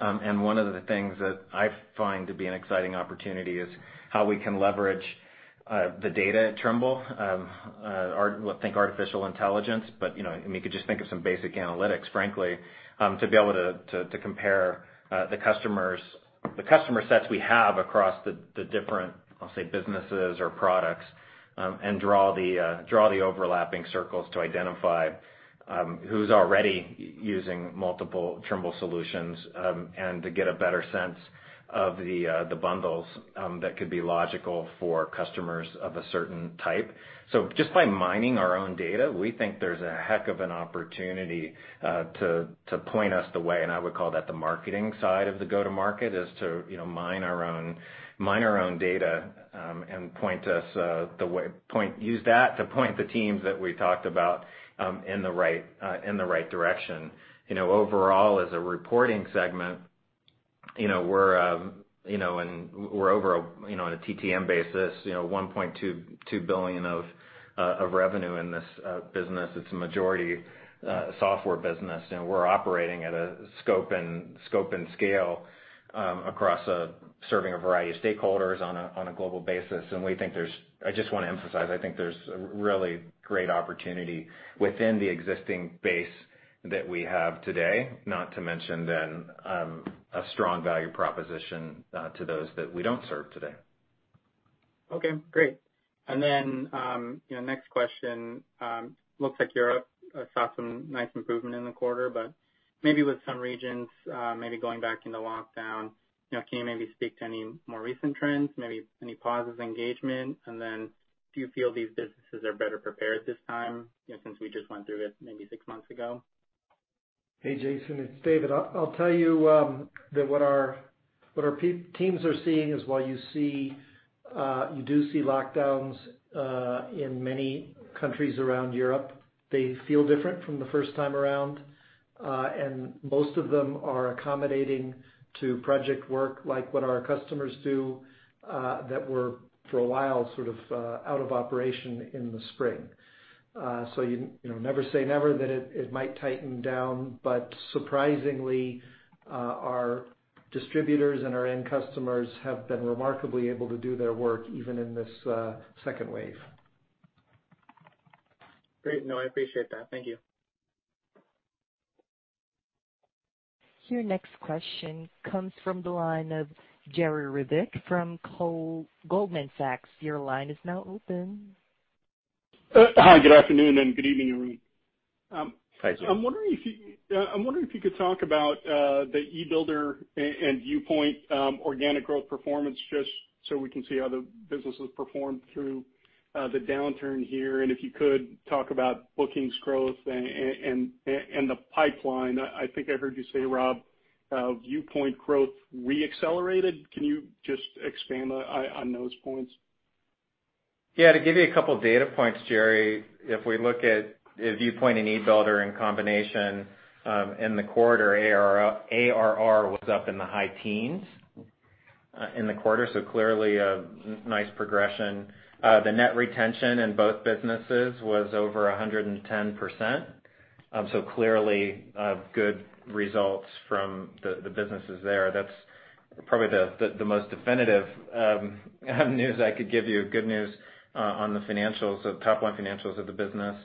One of the things that I find to be an exciting opportunity is how we can leverage the data at Trimble. Think artificial intelligence, but you could just think of some basic analytics, frankly, to be able to compare the customer sets we have across the different, I'll say, businesses or products, and draw the overlapping circles to identify who's already using multiple Trimble solutions, and to get a better sense of the bundles that could be logical for customers of a certain type. Just by mining our own data, we think there's a heck of an opportunity to point us the way, and I would call that the marketing side of the go-to-market, is to mine our own data and use that to point the teams that we talked about in the right direction. Overall, as a reporting segment, we're over, on a TTM basis, $1.22 billion of revenue in this business. It's a majority software business. We're operating at a scope and scale across serving a variety of stakeholders on a global basis. I just want to emphasize, I think there's a really great opportunity within the existing base that we have today, not to mention then, a strong value proposition to those that we don't serve today. Okay, great. Next question. Looks like Europe saw some nice improvement in the quarter, but maybe with some regions maybe going back into lockdown, can you maybe speak to any more recent trends, maybe any pauses engagement? Do you feel these businesses are better prepared this time, since we just went through it maybe six months ago? Hey, Jason, it's David. I'll tell you that what our teams are seeing is while you do see lockdowns in many countries around Europe, they feel different from the first time around. Most of them are accommodating to project work like what our customers do, that were, for a while, sort of out of operation in the spring. Never say never, that it might tighten down. Surprisingly, our distributors and our end customers have been remarkably able to do their work even in this second wave. Great. No, I appreciate that. Thank you. Your next question comes from the line of Jerry Revich from Goldman Sachs. Your line is now open. Hi, good afternoon and good evening, everyone. Hi, Jerry. I'm wondering if you could talk about the e-Builder and Viewpoint organic growth performance, just so we can see how the business has performed through the downturn here. If you could, talk about bookings growth and the pipeline. I think I heard you say, Rob, Viewpoint growth re-accelerated. Can you just expand on those points? Yeah. To give you a couple of data points, Jerry, if we look at Viewpoint and e-Builder in combination in the quarter, ARR was up in the high teens, clearly a nice progression. The net retention in both businesses was over 110%, clearly, good results from the businesses there. That's probably the most definitive news I could give you, good news, on the top-line financials of the business.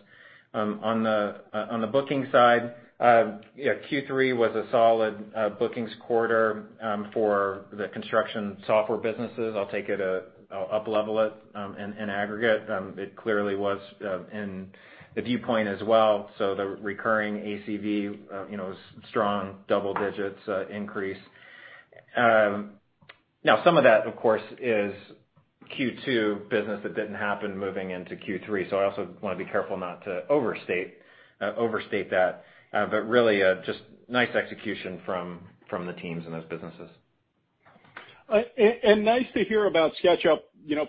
On the booking side, Q3 was a solid bookings quarter for the construction software businesses. I'll up level it in aggregate. It clearly was in the Viewpoint as well. The recurring ACV, strong double digits increase. Now, some of that, of course, is Q2 business that didn't happen moving into Q3, I also want to be careful not to overstate that. Really, just nice execution from the teams in those businesses. Nice to hear about SketchUp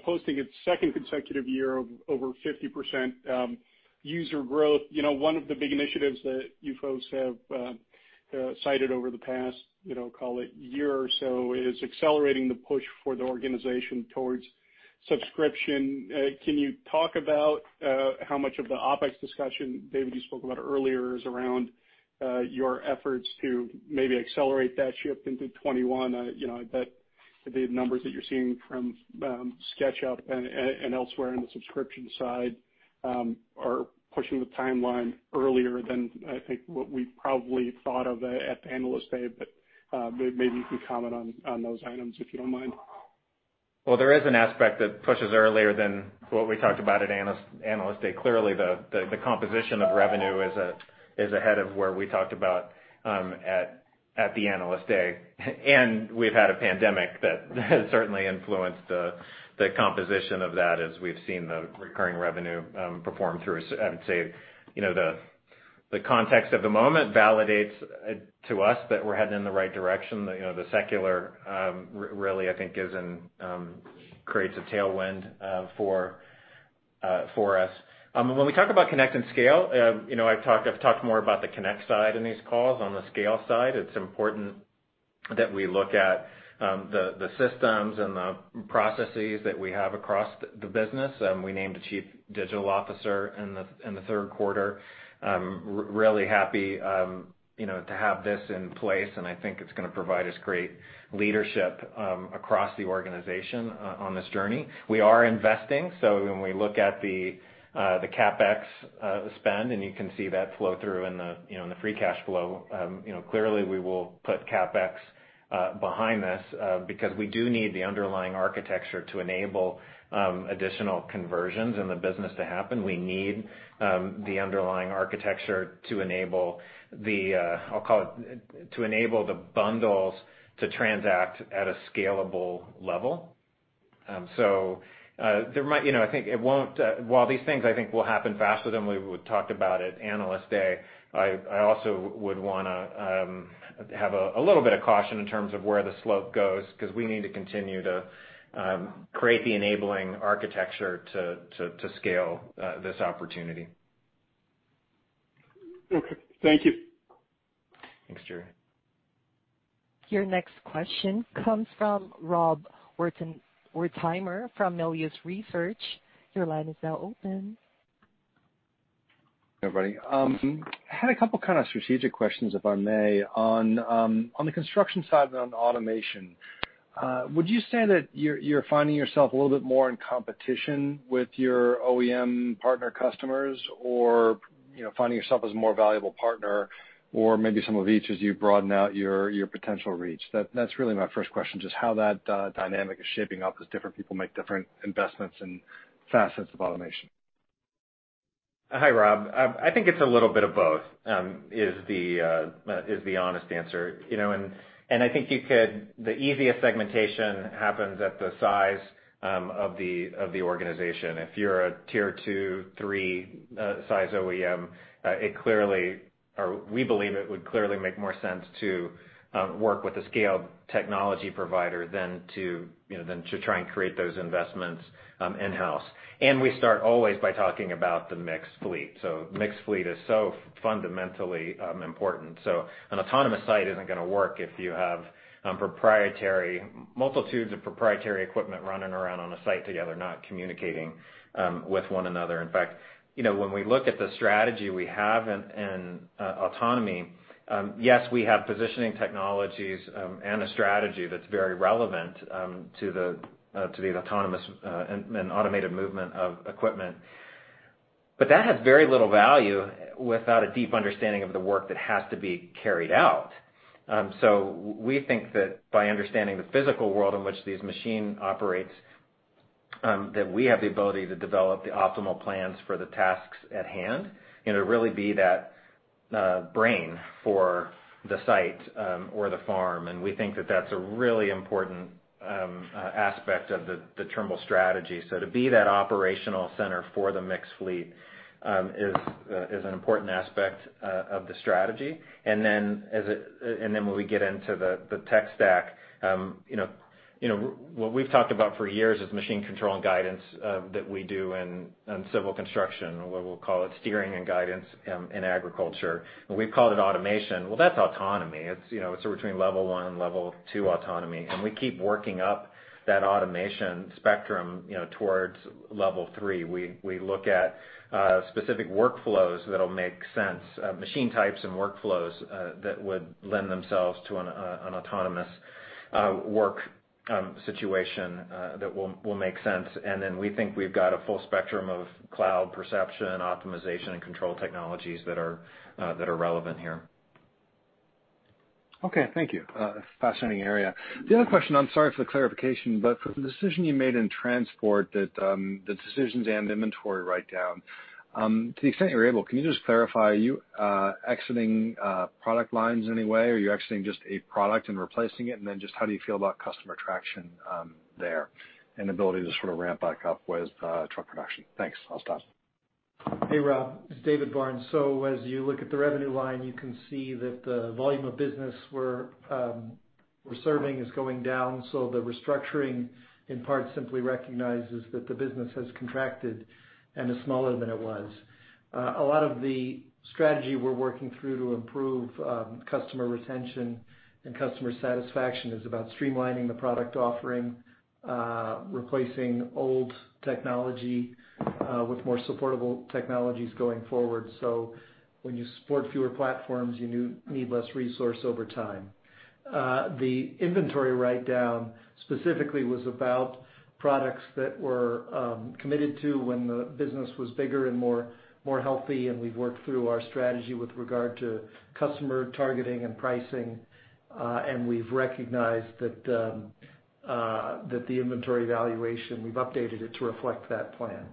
posting its second consecutive year of over 50% user growth. One of the big initiatives that you folks have cited over the past, call it year or so, is accelerating the push for the organization towards subscription. Can you talk about how much of the OpEx discussion, David, you spoke about earlier, is around your efforts to maybe accelerate that shift into 2021? The numbers that you're seeing from SketchUp and elsewhere on the subscription side are pushing the timeline earlier than, I think, what we probably thought of at the Analyst Day. Maybe you could comment on those items, if you don't mind. Well, there is an aspect that pushes earlier than what we talked about at Analyst Day. Clearly, the composition of revenue is ahead of where we talked about at the Analyst Day, and we've had a pandemic that has certainly influenced the composition of that as we've seen the recurring revenue perform through. I would say, the context of the moment validates to us that we're heading in the right direction. The [secular], really, I think, creates a tailwind for us. When we talk about Connect and Scale, I've talked more about the Connect side in these calls. On the Scale side, it's important that we look at the systems and the processes that we have across the business. We named a Chief Digital Officer in the third quarter. Really happy to have this in place, and I think it's going to provide us great leadership across the organization on this journey. We are investing, so when we look at the CapEx spend, and you can see that flow through in the free cash flow. Clearly, we will put CapEx behind this, because we do need the underlying architecture to enable additional conversions in the business to happen. We need the underlying architecture to enable the bundles to transact at a scalable level. While these things, I think, will happen faster than we talked about at Analyst Day, I also would want to have a little bit of caution in terms of where the slope goes, because we need to continue to create the enabling architecture to scale this opportunity. Okay. Thank you. Thanks, Jerry. Your next question comes from Rob Wertheimer from Melius Research. Your line is now open. Hey, everybody. Had a couple of strategic questions, if I may. On the construction side and on automation, would you say that you're finding yourself a little bit more in competition with your OEM partner customers or finding yourself as a more valuable partner or maybe some of each as you broaden out your potential reach? That's really my first question, just how that dynamic is shaping up as different people make different investments in facets of automation. Hi, Rob. I think it's a little bit of both, is the honest answer. I think the easiest segmentation happens at the size of the organization. If you're a tier 2, 3 size OEM, we believe it would clearly make more sense to work with a scaled technology provider than to try and create those investments in-house. We start always by talking about the mixed fleet. Mixed fleet is so fundamentally important. An autonomous site isn't going to work if you have multitudes of proprietary equipment running around on a site together, not communicating with one another. In fact, when we look at the strategy we have in autonomy, yes, we have positioning technologies and a strategy that's very relevant to the autonomous and automated movement of equipment. That has very little value without a deep understanding of the work that has to be carried out. We think that by understanding the physical world in which these machines operate, that we have the ability to develop the optimal plans for the tasks at hand, and to really be that brain for the site or the farm. We think that that's a really important aspect of the Trimble strategy. To be that operational center for the mixed fleet is an important aspect of the strategy. When we get into the tech stack, what we've talked about for years is machine control and guidance that we do in civil construction, or we'll call it steering and guidance in agriculture. We've called it automation. Well, that's autonomy. It's between level 1 and level 2 autonomy, and we keep working up that automation spectrum towards level 3. We look at specific workflows that'll make sense, machine types and workflows that would lend themselves to an autonomous work situation that will make sense. We think we've got a full spectrum of cloud perception, optimization, and control technologies that are relevant here. Okay. Thank you. Fascinating area. The other question, I'm sorry for the clarification, but for the decision you made in Transport, the decisions and inventory write-down. To the extent you're able, can you just clarify, are you exiting product lines in any way, or are you exiting just a product and replacing it? How do you feel about customer traction there and ability to ramp back up with truck production? Thanks. I'll stop. Hey, Rob. It's David Barnes. As you look at the revenue line, you can see that the volume of business we're serving is going down. The restructuring, in part, simply recognizes that the business has contracted and is smaller than it was. A lot of the strategy we're working through to improve customer retention and customer satisfaction is about streamlining the product offering, replacing old technology with more supportable technologies going forward. When you support fewer platforms, you need less resource over time. The inventory write-down specifically was about products that were committed to when the business was bigger and more healthy, and we've worked through our strategy with regard to customer targeting and pricing. We've recognized that the inventory valuation, we've updated it to reflect that plan.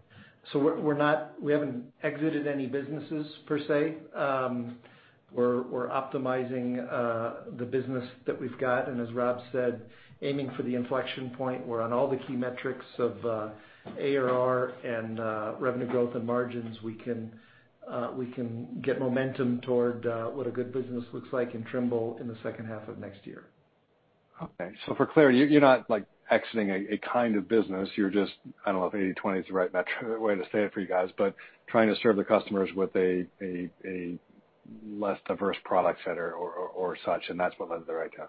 We haven't exited any businesses per se. We're optimizing the business that we've got, and as Rob said, aiming for the inflection point where on all the key metrics of ARR and revenue growth and margins, we can get momentum toward what a good business looks like in Trimble in the second half of next year. For clarity, you're not exiting a kind of business, you're just, I don't know if 80/20 is the right metric way to say it for you guys, but trying to serve the customers with a less diverse product set or such, and that's what led to the write-down.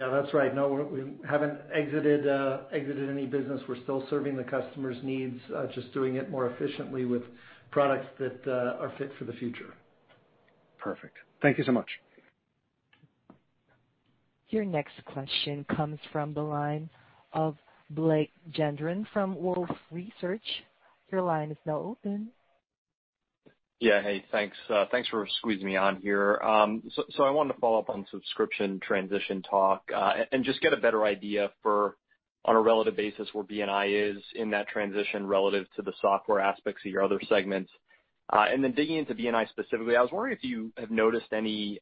Yeah, that's right. No, we haven't exited any business. We're still serving the customer's needs, just doing it more efficiently with products that are fit for the future. Perfect. Thank you so much. Your next question comes from the line of Blake Gendron from Wolfe Research. Your line is now open. Yeah. Hey, thanks. Thanks for squeezing me on here. I wanted to follow up on subscription transition talk, and just get a better idea for, on a relative basis, where B&I is in that transition relative to the software aspects of your other segments. Digging into B&I specifically, I was wondering if you have noticed any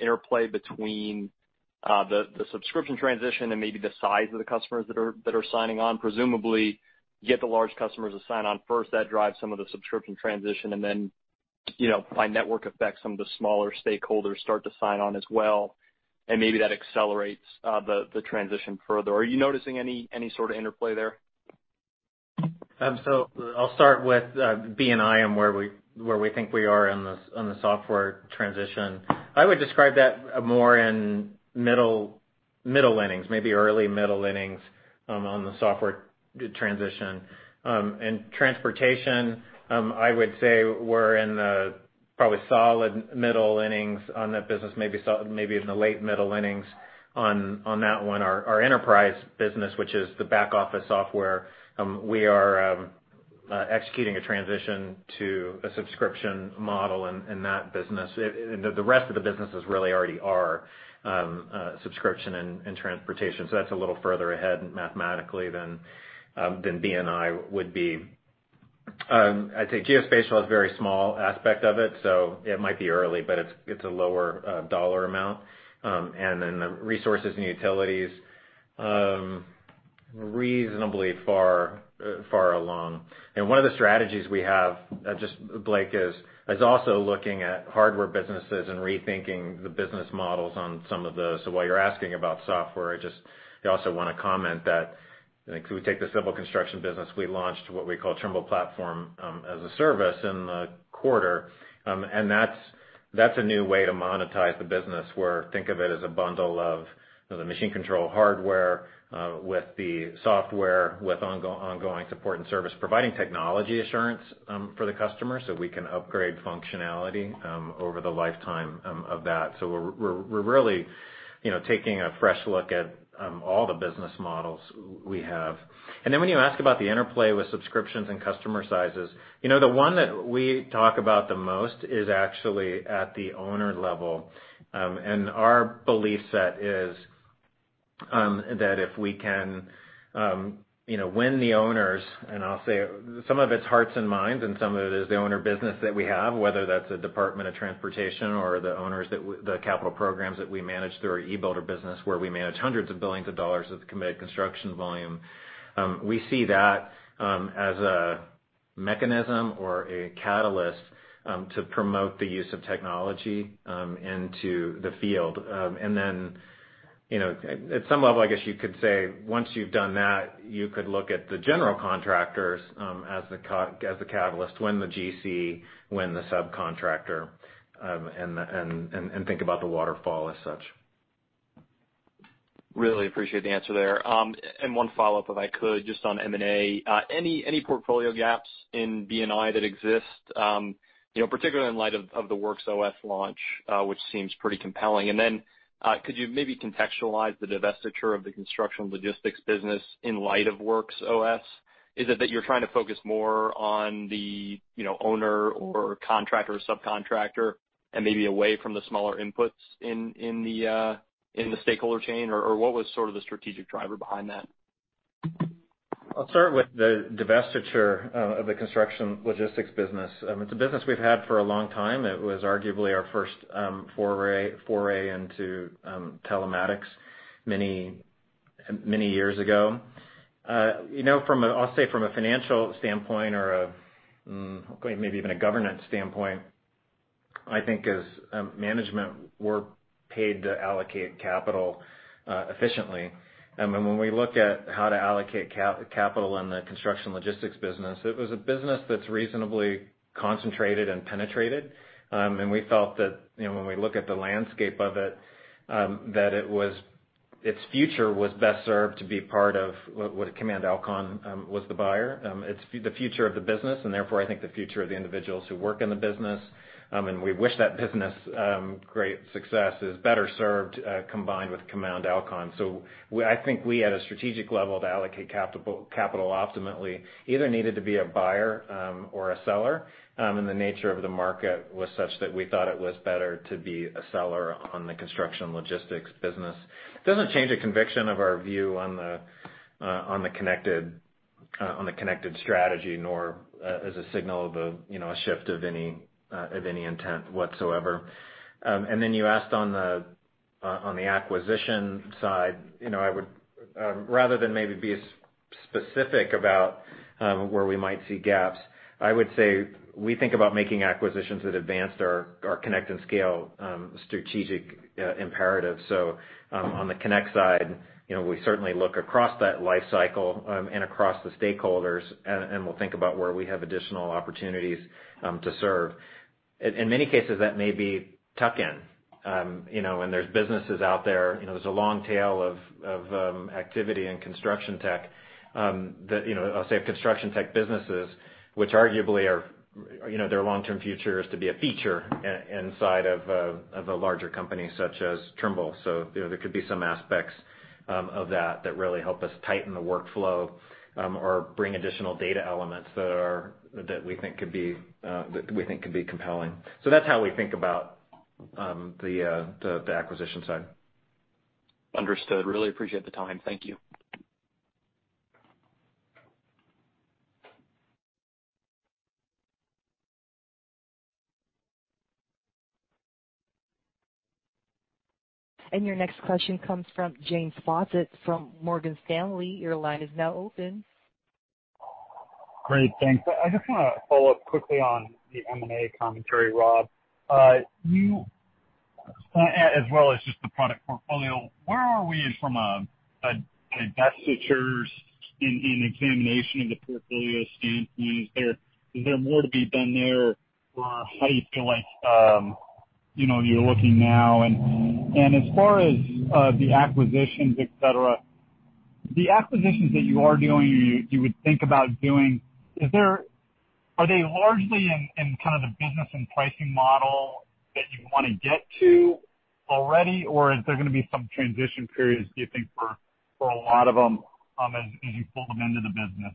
interplay between the subscription transition and maybe the size of the customers that are signing on. Presumably, you get the large customers to sign on first, that drives some of the subscription transition, and then by network effects, some of the smaller stakeholders start to sign on as well, and maybe that accelerates the transition further. Are you noticing any sort of interplay there? I'll start with B&I and where we think we are on the software transition. I would describe that more in middle innings, maybe early middle innings, on the software transition. In Transportation, I would say we're in the probably solid middle innings on that business, maybe even the late middle innings on that one. Our enterprise business, which is the back office software, we are executing a transition to a subscription model in that business. The rest of the businesses really already are subscription in Transportation. That's a little further ahead mathematically than B&I would be. I'd say Geospatial is a very small aspect of it, so it might be early, but it's a lower dollar amount. Then the Resources and Utilities, reasonably far along. One of the strategies we have, just, Blake, is also looking at hardware businesses and rethinking the business models on some of those. While you're asking about software, I just also want to comment that, if we take the civil construction business, we launched what we call Trimble Platform as a Service in the quarter. That's a new way to monetize the business where, think of it as a bundle of the machine control hardware with the software with ongoing support and service, providing technology assurance for the customer so we can upgrade functionality over the lifetime of that. We're really taking a fresh look at all the business models we have. When you ask about the interplay with subscriptions and customer sizes, the one that we talk about the most is actually at the owner level. Our belief set is that if we can win the owners, and I'll say some of it's hearts and minds, and some of it is the owner business that we have, whether that's a Department of Transportation or the owners that the capital programs that we manage through our e-Builder business, where we manage hundreds of billions of dollars of committed construction volume. We see that as a mechanism or a catalyst to promote the use of technology into the field. Then, at some level, I guess you could say, once you've done that, you could look at the general contractors as the catalyst. Win the GC, win the subcontractor, think about the waterfall as such. Really appreciate the answer there. One follow-up, if I could, just on M&A. Any portfolio gaps in B&I that exist, particularly in light of the WorksOS launch, which seems pretty compelling. Then, could you maybe contextualize the divestiture of the construction logistics business in light of WorksOS? Is it that you're trying to focus more on the owner or contractor, subcontractor, and maybe away from the smaller inputs in the stakeholder chain? What was sort of the strategic driver behind that? I'll start with the divestiture of the Construction Logistics business. It's a business we've had for a long time. It was arguably our first foray into telematics many years ago. I'll say from a financial standpoint or a, maybe even a governance standpoint, I think as management, we're paid to allocate capital efficiently. When we look at how to allocate capital in the Construction Logistics business, it was a business that's reasonably concentrated and penetrated. We felt that, when we look at the landscape of it, that its future was best served to be part of what Command Alkon was the buyer. It's the future of the business, and therefore, I think the future of the individuals who work in the business, and we wish that business great success, is better served combined with Command Alkon. I think we, at a strategic level, to allocate capital optimally, either needed to be a buyer or a seller. The nature of the market was such that we thought it was better to be a seller on the construction logistics business. It doesn't change a conviction of our view on the connected strategy, nor as a signal of a shift of any intent whatsoever. You asked on the acquisition side. Rather than maybe be as specific about where we might see gaps. I would say we think about making acquisitions that advanced our Connect and Scale strategic imperative. On the Connect side, we certainly look across that life cycle and across the stakeholders, and we'll think about where we have additional opportunities to serve. In many cases, that may be tuck-in, and there's businesses out there. There's a long tail of activity in construction tech that, I'll say, construction tech businesses, which arguably their long-term future is to be a feature inside of a larger company such as Trimble. There could be some aspects of that that really help us tighten the workflow or bring additional data elements that we think could be compelling. That's how we think about the acquisition side. Understood. Really appreciate the time. Thank you. Your next question comes from James Faucette from Morgan Stanley. Your line is now open. Great. Thanks. I just want to follow up quickly on the M&A commentary, Rob, as well as just the product portfolio. Where are we from a divestitures in examination of the portfolio standpoint? Is there more to be done there? How are you feeling you're looking now? As far as the acquisitions, et cetera, the acquisitions that you are doing or you would think about doing, are they largely in kind of the business and pricing model that you want to get to already? Is there going to be some transition periods, do you think, for a lot of them as you pull them into the business?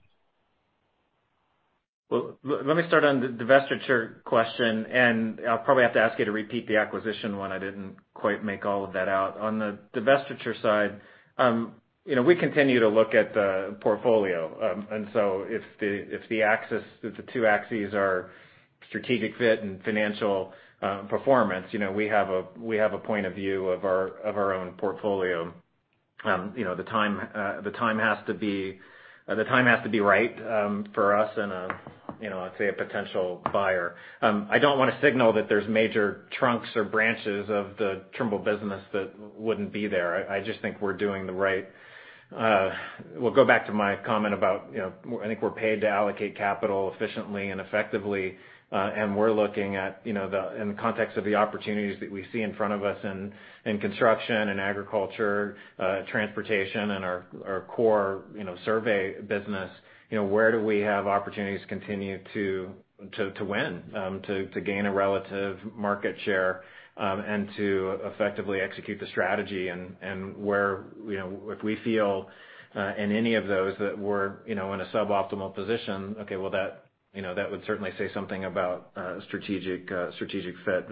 Let me start on the divestiture question, and I'll probably have to ask you to repeat the acquisition one. I didn't quite make all of that out. On the divestiture side, we continue to look at the portfolio. If the two axes are strategic fit and financial performance, we have a point of view of our own portfolio. The time has to be right for us and, let's say, a potential buyer. I don't want to signal that there's major trunks or branches of the Trimble business that wouldn't be there. I just think we're doing the right. We'll go back to my comment about, I think we're paid to allocate capital efficiently and effectively, and we're looking at, in the context of the opportunities that we see in front of us in Construction and Agriculture, Transportation, and our core survey business, where do we have opportunities to continue to win, to gain a relative market share, and to effectively execute the strategy and where if we feel in any of those that we're in a suboptimal position, okay, well, that would certainly say something about strategic fit.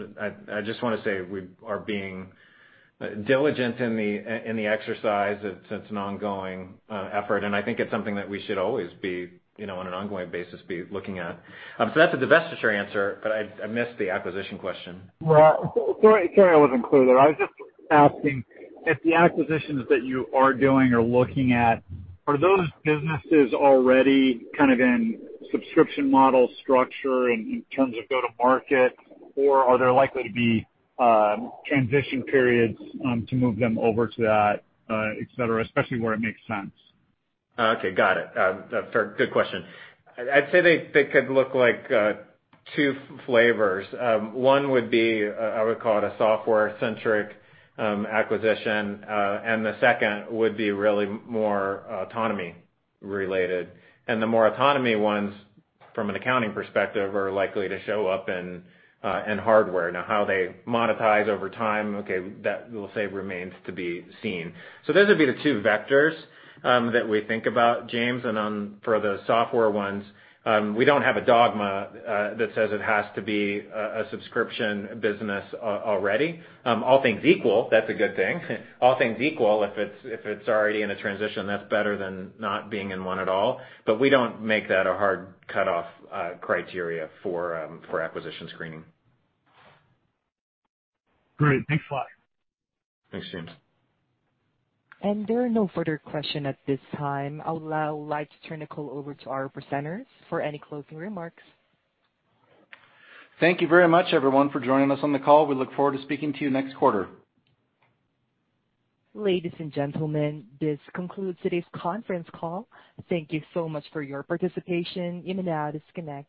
I just want to say we are being diligent in the exercise. It's an ongoing effort, and I think it's something that we should always be, on an ongoing basis, be looking at. That's a divestiture answer. I missed the acquisition question. Well, sorry I wasn't clear there. I was just asking if the acquisitions that you are doing or looking at, are those businesses already kind of in subscription model structure in terms of go-to-market, or are there likely to be transition periods to move them over to that, et cetera, especially where it makes sense? Okay, got it. Good question. I'd say they could look like two flavors. One would be, I would call it, a software-centric acquisition, and the second would be really more autonomy-related. The more autonomy ones from an accounting perspective, are likely to show up in hardware. Now, how they monetize over time, okay, that we'll say remains to be seen. Those would be the two vectors that we think about, James. For the software ones, we don't have a dogma that says it has to be a subscription business already. All things equal, that's a good thing. All things equal, if it's already in a transition, that's better than not being in one at all. We don't make that a hard cutoff criteria for acquisition screening. Great. Thanks a lot. Thanks, James. There are no further questions at this time. I'd now like to turn the call over to our presenters for any closing remarks. Thank you very much, everyone, for joining us on the call. We look forward to speaking to you next quarter. Ladies and gentlemen, this concludes today's conference call. Thank you so much for your participation. You may now disconnect.